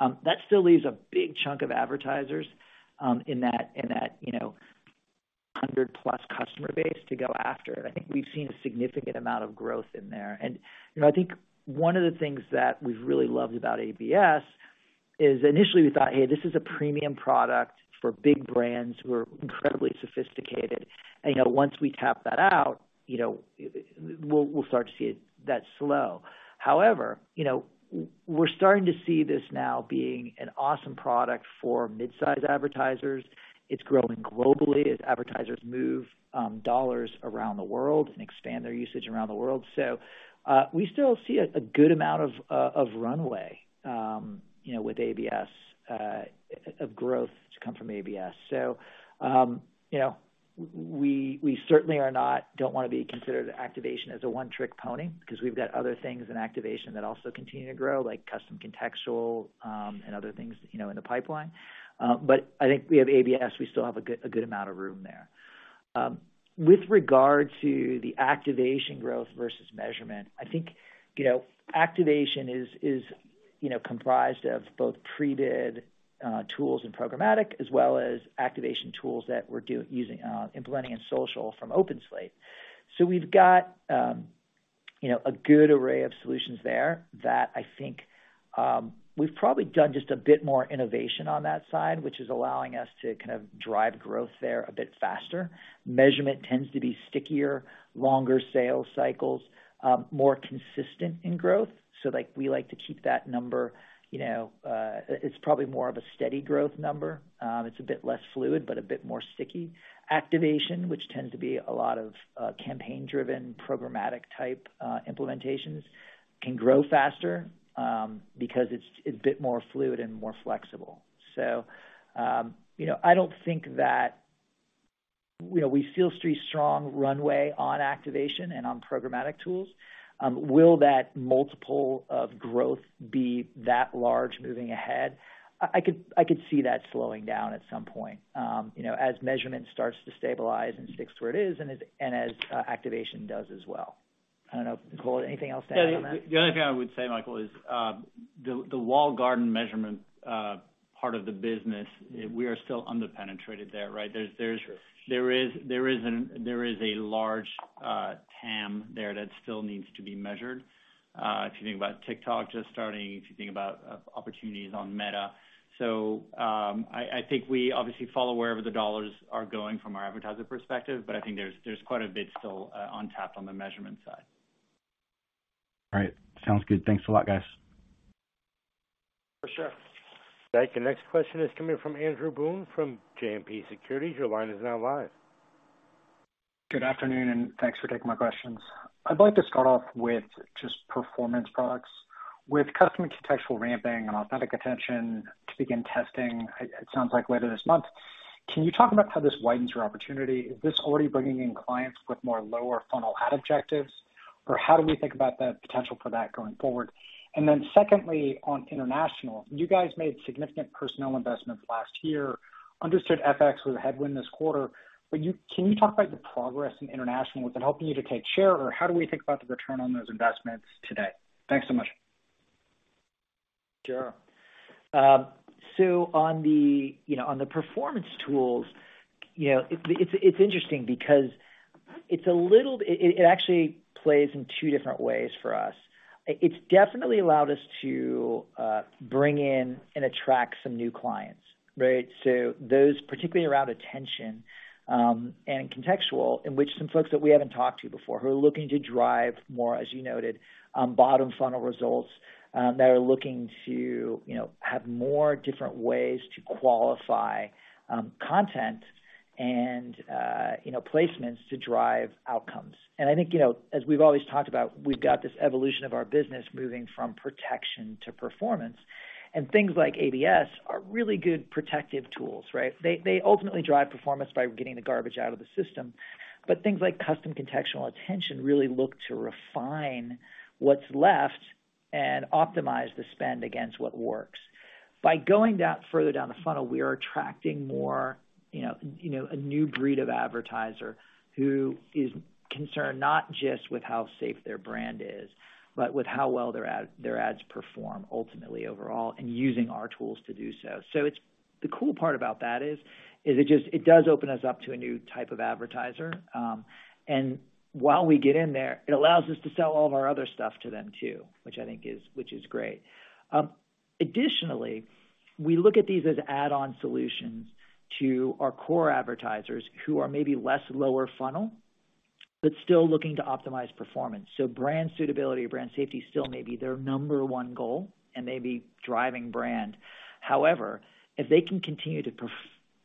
That still leaves a big chunk of advertisers in that 100 plus customer base to go after. I think we've seen a significant amount of growth in there. I think one of the things that we've really loved about ABS is initially we thought, "Hey, this is a premium product for big brands who are incredibly sophisticated. You know, once we tap that out, you know, we'll start to see it slow." However, you know, we're starting to see this now being an awesome product for mid-size advertisers. It's growing globally as advertisers move dollars around the world and expand their usage around the world. We still see a good amount of runway, you know, with ABS, of growth to come from ABS. We certainly don't wanna be considered activation as a one-trick pony, 'cause we've got other things in activation that also continue to grow, like Custom Contextual, and other things, you know, in the pipeline. I think we have ABS, we still have a good amount of room there. With regard to the activation growth versus measurement, I think, you know, activation is, you know, comprised of both pre-bid tools and programmatic, as well as activation tools that we're using implementing in social from OpenSlate. We've got, you know, a good array of solutions there that I think, we've probably done just a bit more innovation on that side, which is allowing us to kind of drive growth there a bit faster. Measurement tends to be stickier, longer sales cycles, more consistent in growth. Like we like to keep that number, you know, it's probably more of a steady growth number. It's a bit less fluid, but a bit more sticky. Activation, which tends to be a lot of campaign-driven, programmatic type implementations, can grow faster, because it's a bit more fluid and more flexible. You know, I don't think that. You know, we feel the Street's strong runway on activation and on programmatic tools. Will that multiple of growth be that large moving ahead? I could see that slowing down at some point, you know, as measurement starts to stabilize and sticks where it is and as activation does as well. I don't know. Nicola, anything else to add on that? Yeah. The only thing I would say, Michael, is, the walled garden measurement part of the business, we are still under-penetrated there, right? There is a large TAM there that still needs to be measured. If you think about TikTok just starting, if you think about opportunities on Meta. I think we obviously follow wherever the dollars are going from our advertiser perspective, but I think there's quite a bit still untapped on the measurement side. All right. Sounds good. Thanks a lot, guys. For sure. Thank you. Next question is coming from Andrew Boone from JMP Securities. Your line is now live. Good afternoon, and thanks for taking my questions. I'd like to start off with just performance products. With Custom Contextual ramping and Authentic Attention to begin testing, it sounds like later this month. Can you talk about how this widens your opportunity? Is this already bringing in clients with more lower funnel ad objectives? Or how do we think about the potential for that going forward? Secondly, on international, you guys made significant personnel investments last year. I understand FX was a headwind this quarter, but can you talk about the progress in international? Has it been helping you to take share, or how do we think about the return on those investments today? Thanks so much. Sure. On the, you know, on the performance tools, you know, it's interesting because it's a little. It actually plays in two different ways for us. It's definitely allowed us to bring in and attract some new clients, right? Those particularly around attention and contextual, in which some folks that we haven't talked to before, who are looking to drive more, as you noted, bottom funnel results, that are looking to, you know, have more different ways to qualify content and, you know, placements to drive outcomes. I think, you know, as we've always talked about, we've got this evolution of our business moving from protection to performance, and things like ABS are really good protective tools, right? They ultimately drive performance by getting the garbage out of the system. Things like Custom Contextual attention really look to refine what's left and optimize the spend against what works. By going down, further down the funnel, we are attracting more, you know, a new breed of advertiser who is concerned not just with how safe their brand is, but with how well their ads perform ultimately overall, and using our tools to do so. It's the cool part about that is it just opens us up to a new type of advertiser. While we get in there, it allows us to sell all of our other stuff to them too, which I think is great. Additionally, we look at these as add-on solutions to our core advertisers who are maybe less lower-funnel but still looking to optimize performance. Brand suitability or brand safety still may be their number one goal and may be driving brand. However, if they can continue to further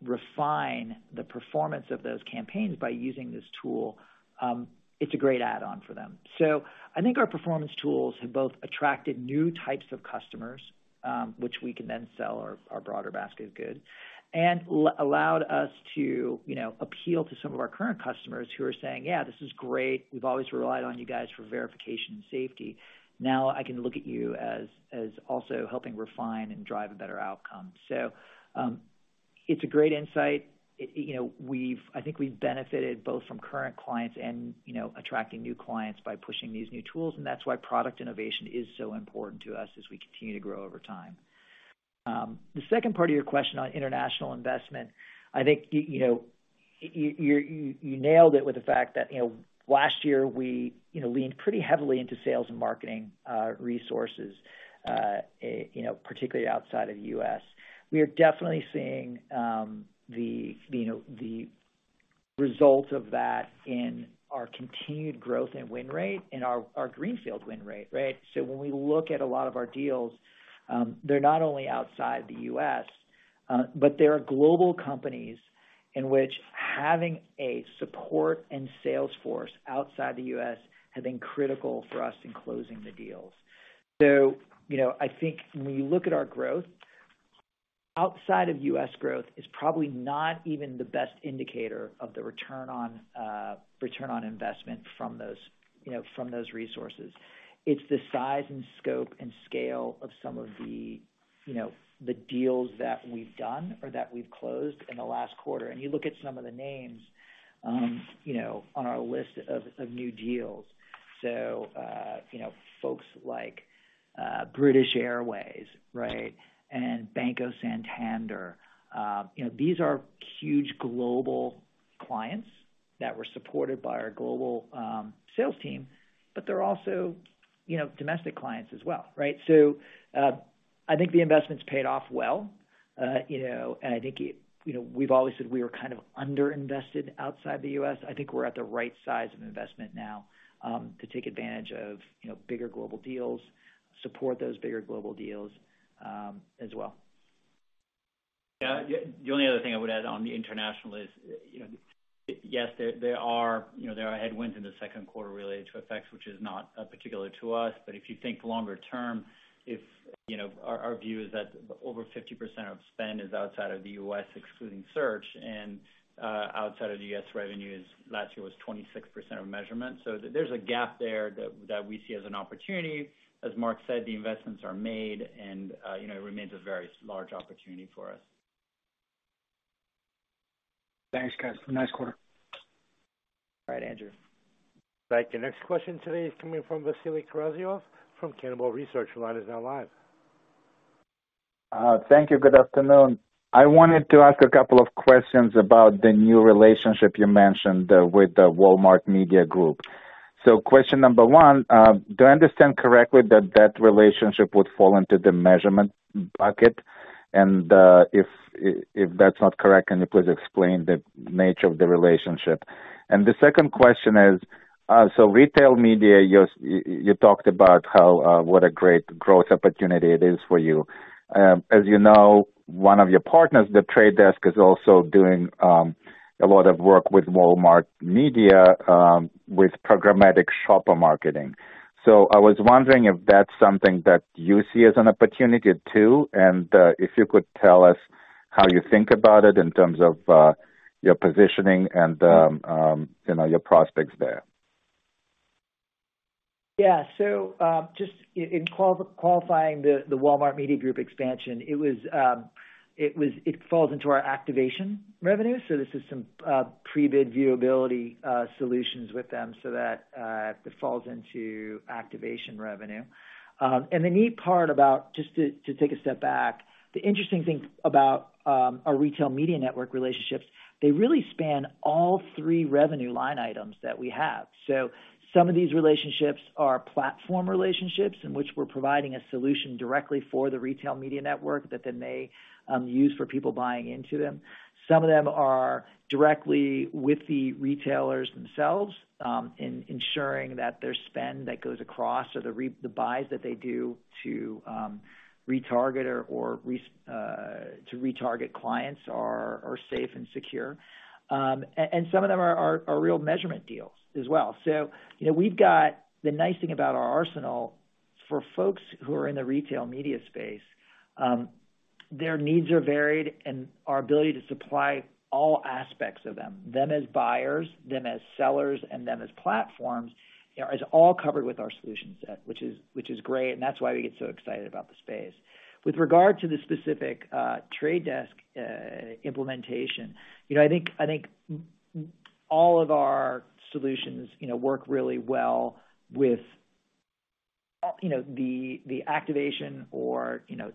refine the performance of those campaigns by using this tool, it's a great add-on for them. I think our performance tools have both attracted new types of customers, which we can then sell our broader basket of goods. Allowed us to, you know, appeal to some of our current customers who are saying, "Yeah, this is great. We've always relied on you guys for verification and safety. Now I can look at you as also helping refine and drive a better outcome." It's a great insight. You know, I think we've benefited both from current clients and, you know, attracting new clients by pushing these new tools, and that's why product innovation is so important to us as we continue to grow over time. The second part of your question on international investment, I think, you know, you nailed it with the fact that, you know, last year we, you know, leaned pretty heavily into sales and marketing, resources, you know, particularly outside of the U.S. We are definitely seeing, you know, the results of that in our continued growth and win rate and our greenfields win rate, right? When we look at a lot of our deals, they're not only outside the U.S., but they are global companies in which having a support and sales force outside the U.S. has been critical for us in closing the deals. You know, I think when you look at our growth, outside of U.S. growth is probably not even the best indicator of the return on investment from those, you know, from those resources. It's the size and scope and scale of some of the, you know, the deals that we've done or that we've closed in the last quarter. You look at some of the names, you know, on our list of new deals. You know, folks like British Airways, right? Banco Santander, you know, these are huge global clients that were supported by our global, sales team, but they're also, you know, domestic clients as well, right? I think the investments paid off well. You know, I think, you know, we've always said we were kind of underinvested outside the U.S. I think we're at the right size of investment now, to take advantage of, you know, bigger global deals, support those bigger global deals, as well. The only other thing I would add on the international is, you know, yes, there are headwinds in the second quarter related to FX, which is not particular to us. If you think longer term, our view is that over 50% of spend is outside of the U.S., excluding search, and outside of the U.S. revenue last year was 26% of measurement. There's a gap there that we see as an opportunity. As Mark said, the investments are made and, you know, it remains a very large opportunity for us. Thanks, guys. Nice quarter. All right, Andrew. Thank you. Next question today is coming from Vasily Karasyov from Cannonball Research. Your line is now live. Thank you. Good afternoon. I wanted to ask a couple of questions about the new relationship you mentioned with the Walmart Media Group. Question number one, do I understand correctly that that relationship would fall into the measurement bucket? If that's not correct, can you please explain the nature of the relationship? The second question is, retail media, you talked about how what a great growth opportunity it is for you. As you know, one of your partners, The Trade Desk, is also doing a lot of work with Walmart Media, with programmatic shopper marketing. I was wondering if that's something that you see as an opportunity too, and if you could tell us how you think about it in terms of your positioning and you know, your prospects there. Yeah. Just in qualifying the Walmart Media Group expansion, it falls into our activation revenue. This is some pre-bid viewability solutions with them so that it falls into activation revenue. Just to take a step back, the interesting thing about our retail media network relationships, they really span all three revenue line items that we have. Some of these relationships are platform relationships in which we're providing a solution directly for the retail media network that then they use for people buying into them. Some of them are directly with the retailers themselves in ensuring that their spend that goes across the buys that they do to retarget clients are safe and secure. Some of them are real measurement deals as well. You know, we've got the nice thing about our arsenal for folks who are in the retail media space. Their needs are varied and our ability to supply all aspects of them as buyers, them as sellers, and them as platforms, you know, is all covered with our solution set, which is great. That's why we get so excited about the space. With regard to the specific The Trade Desk implementation, you know, I think all of our solutions, you know, work really well. You know, the activation or, you know,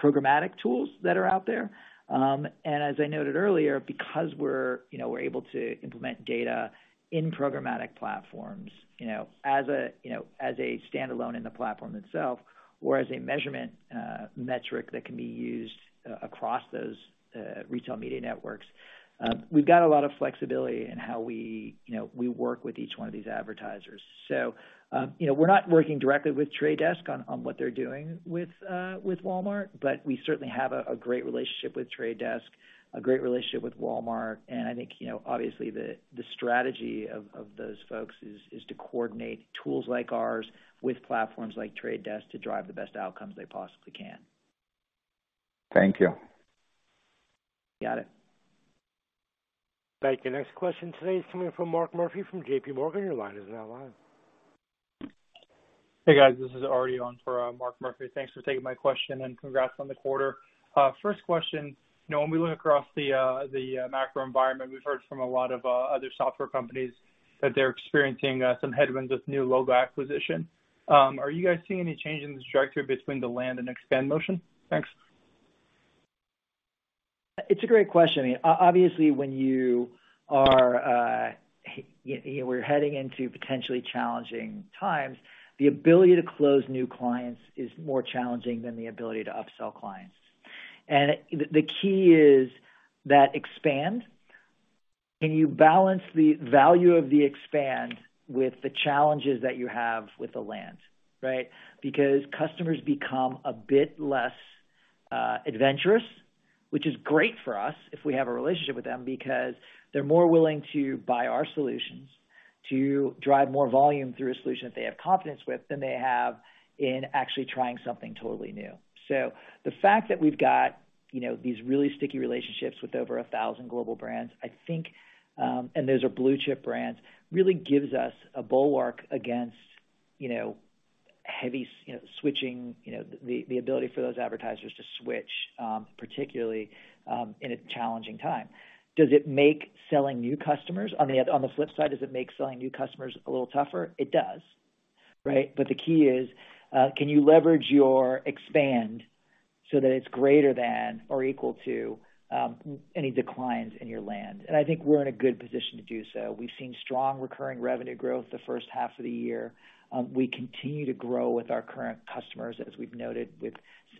programmatic tools that are out there. As I noted earlier, because we're, you know, we're able to implement data in programmatic platforms, you know, as a, you know, as a standalone in the platform itself or as a measurement metric that can be used across those retail media networks, we've got a lot of flexibility in how we, you know, we work with each one of these advertisers. You know, we're not working directly with The Trade Desk on what they're doing with Walmart, but we certainly have a great relationship with The Trade Desk, a great relationship with Walmart. I think, you know, obviously the strategy of those folks is to coordinate tools like ours with platforms like The Trade Desk to drive the best outcomes they possibly can. Thank you. Got it. Thank you. Next question today is coming from Mark Murphy from JPMorgan. Your line is now live. Hey, guys. This is Arti on for Mark Murphy. Thanks for taking my question, and congrats on the quarter. First question. You know, when we look across the macro environment, we've heard from a lot of other software companies that they're experiencing some headwinds with new logo acquisition. Are you guys seeing any change in this trajectory between the land and expand motion? Thanks. It's a great question. Obviously, when you are, you know, we're heading into potentially challenging times, the ability to close new clients is more challenging than the ability to upsell clients. The key is that expand. Can you balance the value of the expand with the challenges that you have with the land, right? Because customers become a bit less adventurous, which is great for us if we have a relationship with them because they're more willing to buy our solutions to drive more volume through a solution that they have confidence with than they have in actually trying something totally new. The fact that we've got, you know, these really sticky relationships with over 1,000 global brands, I think, and those are blue chip brands, really gives us a bulwark against, you know, heavy switching. You know, the ability for those advertisers to switch, particularly, in a challenging time. Does it make selling new customers on the flip side a little tougher? It does, right? But the key is, can you leverage your expand so that it's greater than or equal to any declines in your land? I think we're in a good position to do so. We've seen strong recurring revenue growth the first half of the year. We continue to grow with our current customers, as we've noted, with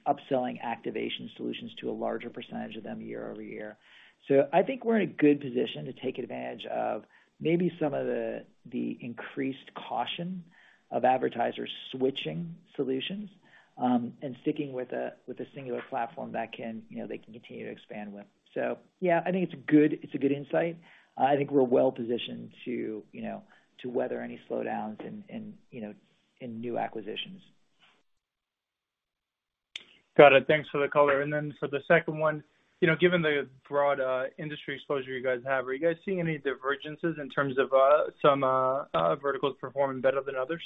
upselling activation solutions to a larger percentage of them year-over-year. I think we're in a good position to take advantage of maybe some of the increased caution of advertisers switching solutions, and sticking with a singular platform that can, you know, they can continue to expand with. Yeah, I think it's a good insight. I think we're well positioned to, you know, to weather any slowdowns in new acquisitions. Got it. Thanks for the color. For the second one, you know, given the broad industry exposure you guys have, are you guys seeing any divergences in terms of some verticals performing better than others?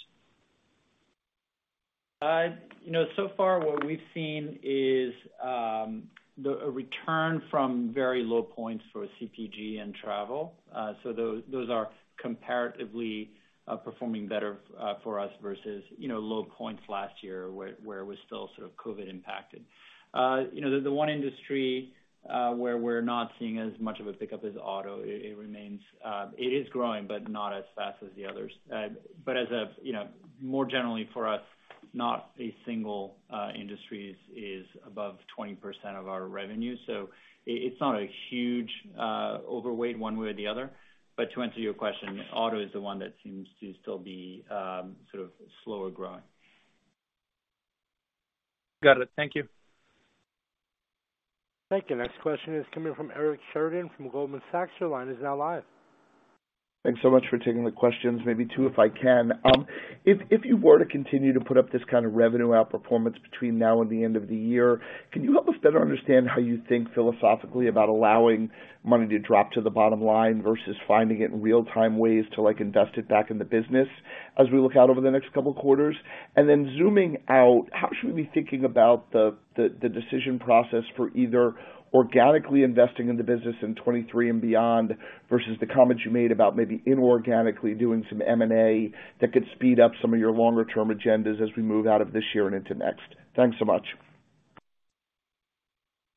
You know, so far what we've seen is a return from very low points for CPG and travel. Those are comparatively performing better for us versus low points last year where it was still sort of COVID impacted. You know, the one industry where we're not seeing as much of a pickup is auto. It is growing, but not as fast as the others. As a, you know, more generally for us, not a single industry is above 20% of our revenue. It's not a huge overweight one way or the other. To answer your question, auto is the one that seems to still be sort of slower growing. Got it. Thank you. Thank you. Next question is coming from Eric Sheridan from Goldman Sachs. Your line is now live. Thanks so much for taking the questions. Maybe two, if I can. If you were to continue to put up this kind of revenue outperformance between now and the end of the year, can you help us better understand how you think philosophically about allowing money to drop to the bottom line versus finding it in real-time ways to, like, invest it back in the business as we look out over the next couple quarters? Then zooming out, how should we be thinking about the decision process for either organically investing in the business in 2023 and beyond versus the comments you made about maybe inorganically doing some M&A that could speed up some of your longer term agendas as we move out of this year and into next? Thanks so much.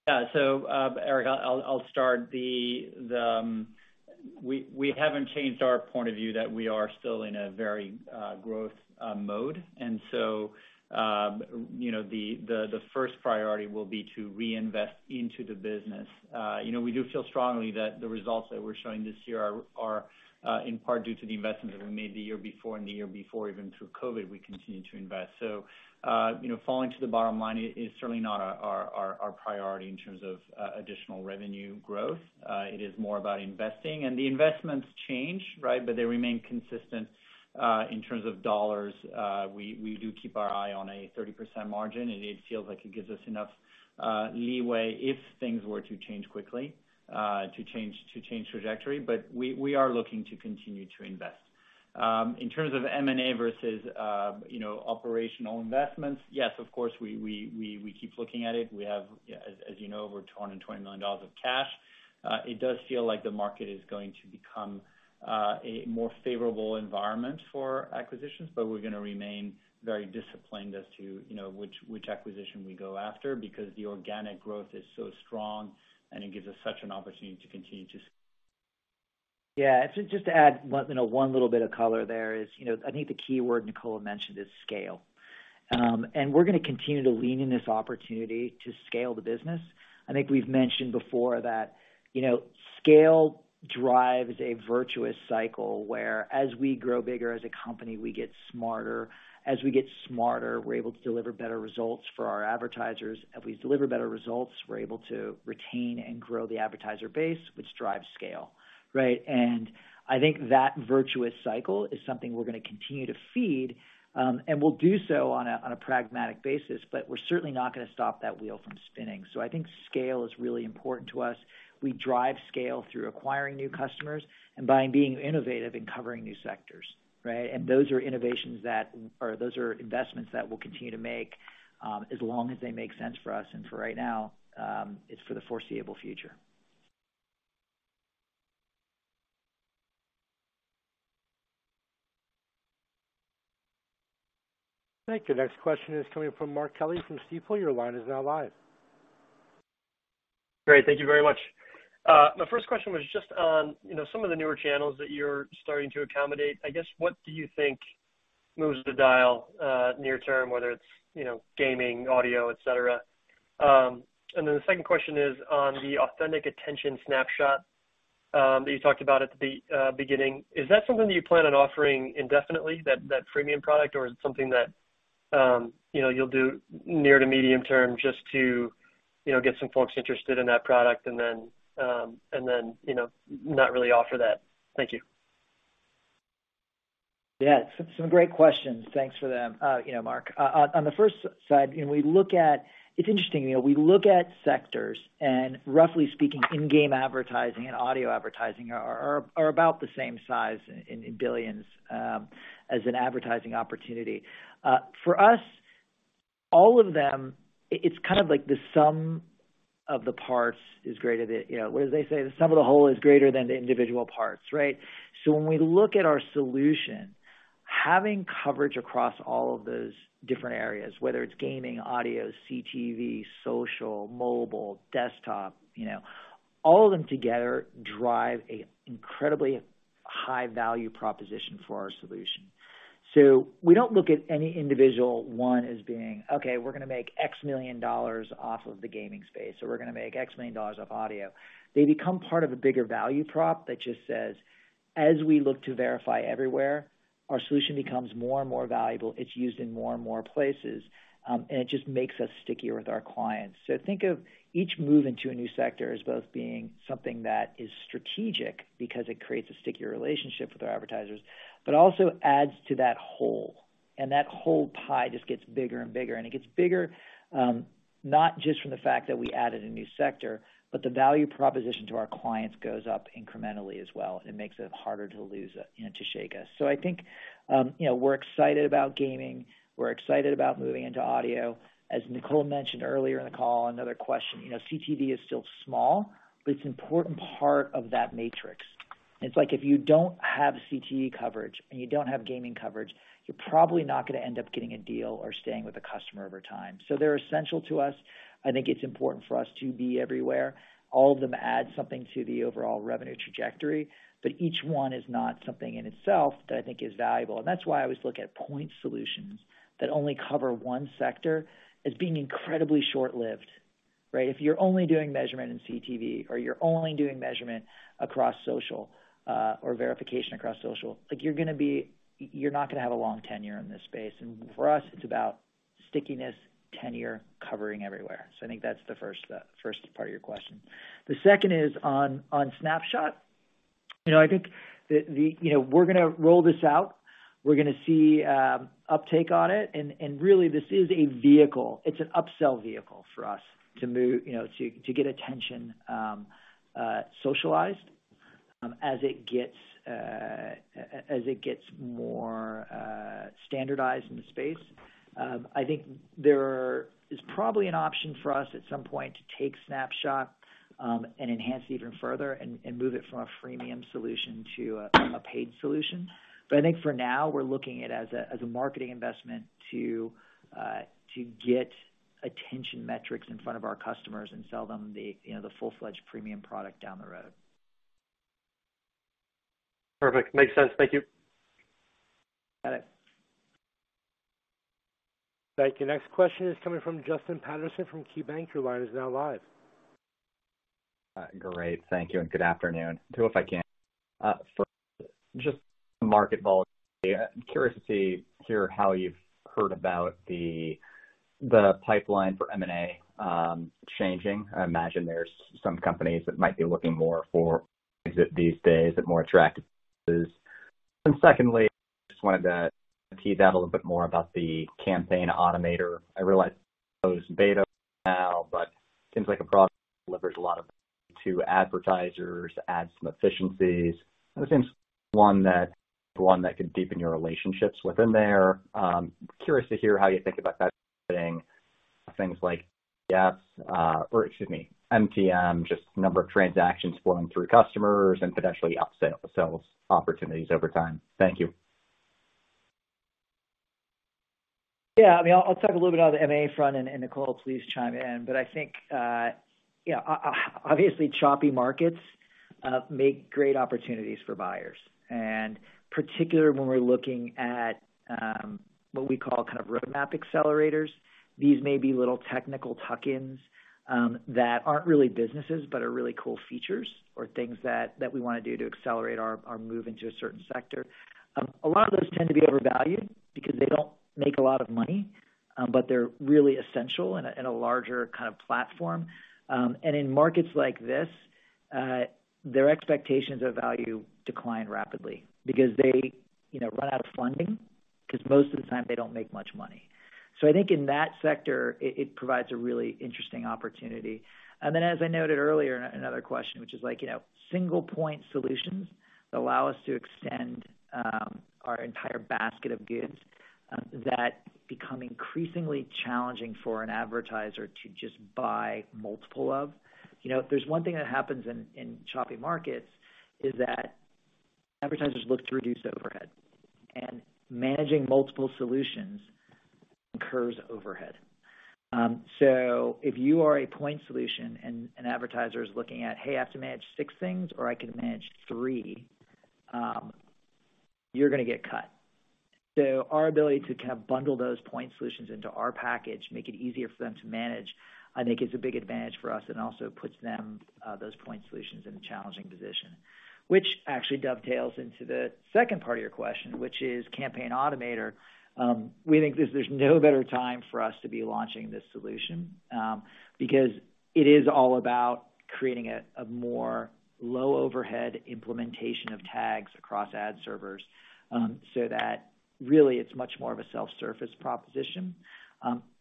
Eric, I'll start. We haven't changed our point of view that we are still in a very growth mode. You know, the first priority will be to reinvest into the business. You know, we do feel strongly that the results that we're showing this year are in part due to the investments that we made the year before and the year before even through COVID. We continued to invest. You know, falling to the bottom line is certainly not our priority in terms of additional revenue growth. It is more about investing. The investments change, right? They remain consistent. In terms of dollars, we do keep our eye on a 30% margin, and it feels like it gives us enough leeway if things were to change quickly to change trajectory. We are looking to continue to invest. In terms of M&A versus, you know, operational investments, yes, of course, we keep looking at it. We have, as you know, over $220 million of cash. It does feel like the market is going to become a more favorable environment for acquisitions, but we're gonna remain very disciplined as to, you know, which acquisition we go after because the organic growth is so strong and it gives us such an opportunity to continue to. Yeah. To just add one, you know, one little bit of color there is, you know, I think the key word Nicola mentioned is scale. We're gonna continue to lean in this opportunity to scale the business. I think we've mentioned before that, you know, scale drives a virtuous cycle where as we grow bigger as a company, we get smarter. As we get smarter, we're able to deliver better results for our advertisers. As we deliver better results, we're able to retain and grow the advertiser base, which drives scale, right? I think that virtuous cycle is something we're gonna continue to feed, and we'll do so on a pragmatic basis, but we're certainly not gonna stop that wheel from spinning. I think scale is really important to us. We drive scale through acquiring new customers and by being innovative in covering new sectors, right? Those are investments that we'll continue to make, as long as they make sense for us. For right now, it's for the foreseeable future. Thank you. Next question is coming from Mark Kelley from Stifel. Your line is now live. Great, thank you very much. My first question was just on, you know, some of the newer channels that you're starting to accommodate. I guess, what do you think moves the dial, near term, whether it's, you know, gaming, audio, et cetera? And then the second question is on the Authentic Attention Snapshot, that you talked about at the beginning. Is that something that you plan on offering indefinitely, that freemium product, or is it something that, you know, you'll do near to medium term just to, you know, get some folks interested in that product and then, you know, not really offer that? Thank you. Yeah. Some great questions. Thanks for them, you know, Mark. On the first side, you know, we look at. It's interesting, you know, we look at sectors and roughly speaking, in-game advertising and audio advertising are about the same size in billions as an advertising opportunity. For us, all of them, it's kind of like the sum of the parts is greater than, you know, what do they say? The sum of the whole is greater than the individual parts, right? When we look at our solution, having coverage across all of those different areas, whether it's gaming, audio, CTV, social, mobile, desktop, you know, all of them together drive a incredibly high value proposition for our solution. We don't look at any individual one as being, "Okay, we're gonna make $X million off of the gaming space, so we're gonna make $X million off audio." They become part of a bigger value prop that just says, as we look to Verify Everywhere, our solution becomes more and more valuable. It's used in more and more places, and it just makes us stickier with our clients. Think of each move into a new sector as both being something that is strategic because it creates a stickier relationship with our advertisers, but also adds to that whole. That whole pie just gets bigger and bigger. It gets bigger, not just from the fact that we added a new sector, but the value proposition to our clients goes up incrementally as well. It makes it harder to lose, you know, to shake us. I think, you know, we're excited about gaming. We're excited about moving into audio. As Nicola mentioned earlier in the call, another question, you know, CTV is still small, but it's an important part of that matrix. It's like if you don't have CTV coverage and you don't have gaming coverage, you're probably not gonna end up getting a deal or staying with a customer over time. They're essential to us. I think it's important for us to be everywhere. All of them add something to the overall revenue trajectory, but each one is not something in itself that I think is valuable. That's why I always look at point solutions that only cover one sector as being incredibly short-lived, right? If you're only doing measurement in CTV or you're only doing measurement across social, or verification across social, like, you're not gonna have a long tenure in this space. For us, it's about stickiness, tenure, covering everywhere. I think that's the first part of your question. The second is on Snapshot. You know, I think, you know, we're gonna roll this out. We're gonna see uptake on it. Really, this is a vehicle. It's an upsell vehicle for us to move, you know, to get attention socialized, as it gets more standardized in the space. I think there is probably an option for us at some point to take Snapshot and enhance it even further and move it from a freemium solution to a paid solution. I think for now, we're looking at it as a marketing investment to get attention metrics in front of our customers and sell them the, you know, the full-fledged premium product down the road. Perfect. Makes sense. Thank you. Got it. Thank you. Next question is coming from Justin Patterson from KeyBanc. Your line is now live. Great. Thank you and good afternoon. Too, if I can. First, just market volatility. I'm curious to hear how you've heard about the pipeline for M&A changing. I imagine there's some companies that might be looking more for exit these days at more attractive prices. Secondly, just wanted to tease out a little bit more about the Campaign Automator. I realize it's in closed beta now, but it seems like a product that delivers a lot to advertisers, add some efficiencies. It seems one that could deepen your relationships within there. Curious to hear how you think about that fitting things like MTM, just number of transactions flowing through customers and potentially upsell opportunities over time. Thank you. Yeah. I mean, I'll talk a little bit on the M&A front, and Nicola, please chime in. I think, yeah, obviously choppy markets make great opportunities for buyers. Particularly when we're looking at what we call kind of roadmap accelerators. These may be little technical tuck-ins that aren't really businesses, but are really cool features or things that we wanna do to accelerate our move into a certain sector. A lot of those tend to be overvalued because they don't make a lot of money, but they're really essential in a larger kind of platform. In markets like this, their expectations of value decline rapidly because they, you know, run out of funding because most of the time they don't make much money. I think in that sector, it provides a really interesting opportunity. Then, as I noted earlier in another question, which is like, you know, single point solutions allow us to extend our entire basket of goods that become increasingly challenging for an advertiser to just buy multiple of. You know, if there's one thing that happens in choppy markets is that advertisers look to reduce overhead. Managing multiple solutions incurs overhead. If you are a point solution and an advertiser is looking at, "Hey, I have to manage six things, or I can manage three," you're gonna get cut. Our ability to kind of bundle those point solutions into our package make it easier for them to manage, I think is a big advantage for us and also puts them, those point solutions in a challenging position. Which actually dovetails into the second part of your question, which is Campaign Automator. We think there's no better time for us to be launching this solution, because it is all about creating a more low overhead implementation of tags across ad servers, so that really it's much more of a self-service proposition.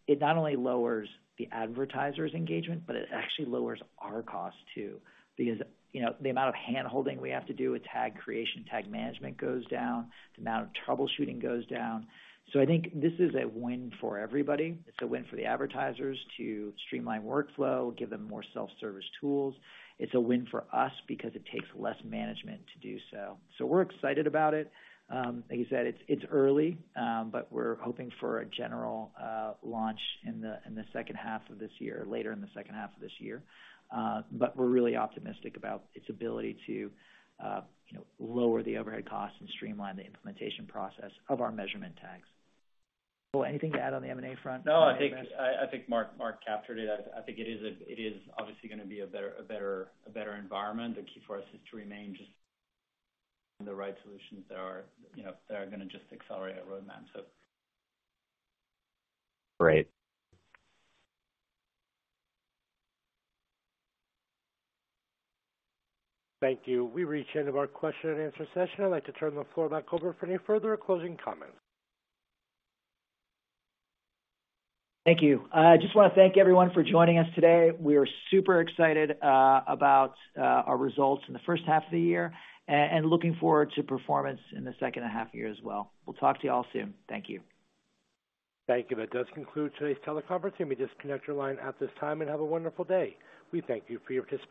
It not only lowers the advertiser's engagement, but it actually lowers our cost too. Because, you know, the amount of handholding we have to do with tag creation, tag management goes down, the amount of troubleshooting goes down. So I think this is a win for everybody. It's a win for the advertisers to streamline workflow, give them more self-service tools. It's a win for us because it takes less management to do so. So we're excited about it. Like you said, it's early, but we're hoping for a general launch in the second half of this year, later in the second half of this year. We're really optimistic about its ability to, you know, lower the overhead costs and streamline the implementation process of our measurement tags. Nicola, anything to add on the M&A front? No, I think Mark captured it. I think it is obviously gonna be a better environment. The key for us is to remain just the right solutions that are, you know, that are gonna just accelerate our roadmap. Great. Thank you. We've reached the end of our question and answer session. I'd like to turn the floor back over for any further closing comments. Thank you. I just wanna thank everyone for joining us today. We are super excited about our results in the first half of the year, and looking forward to performance in the second half year as well. We'll talk to you all soon. Thank you. Thank you. That does conclude today's teleconference. You may disconnect your line at this time and have a wonderful day. We thank you for your participation.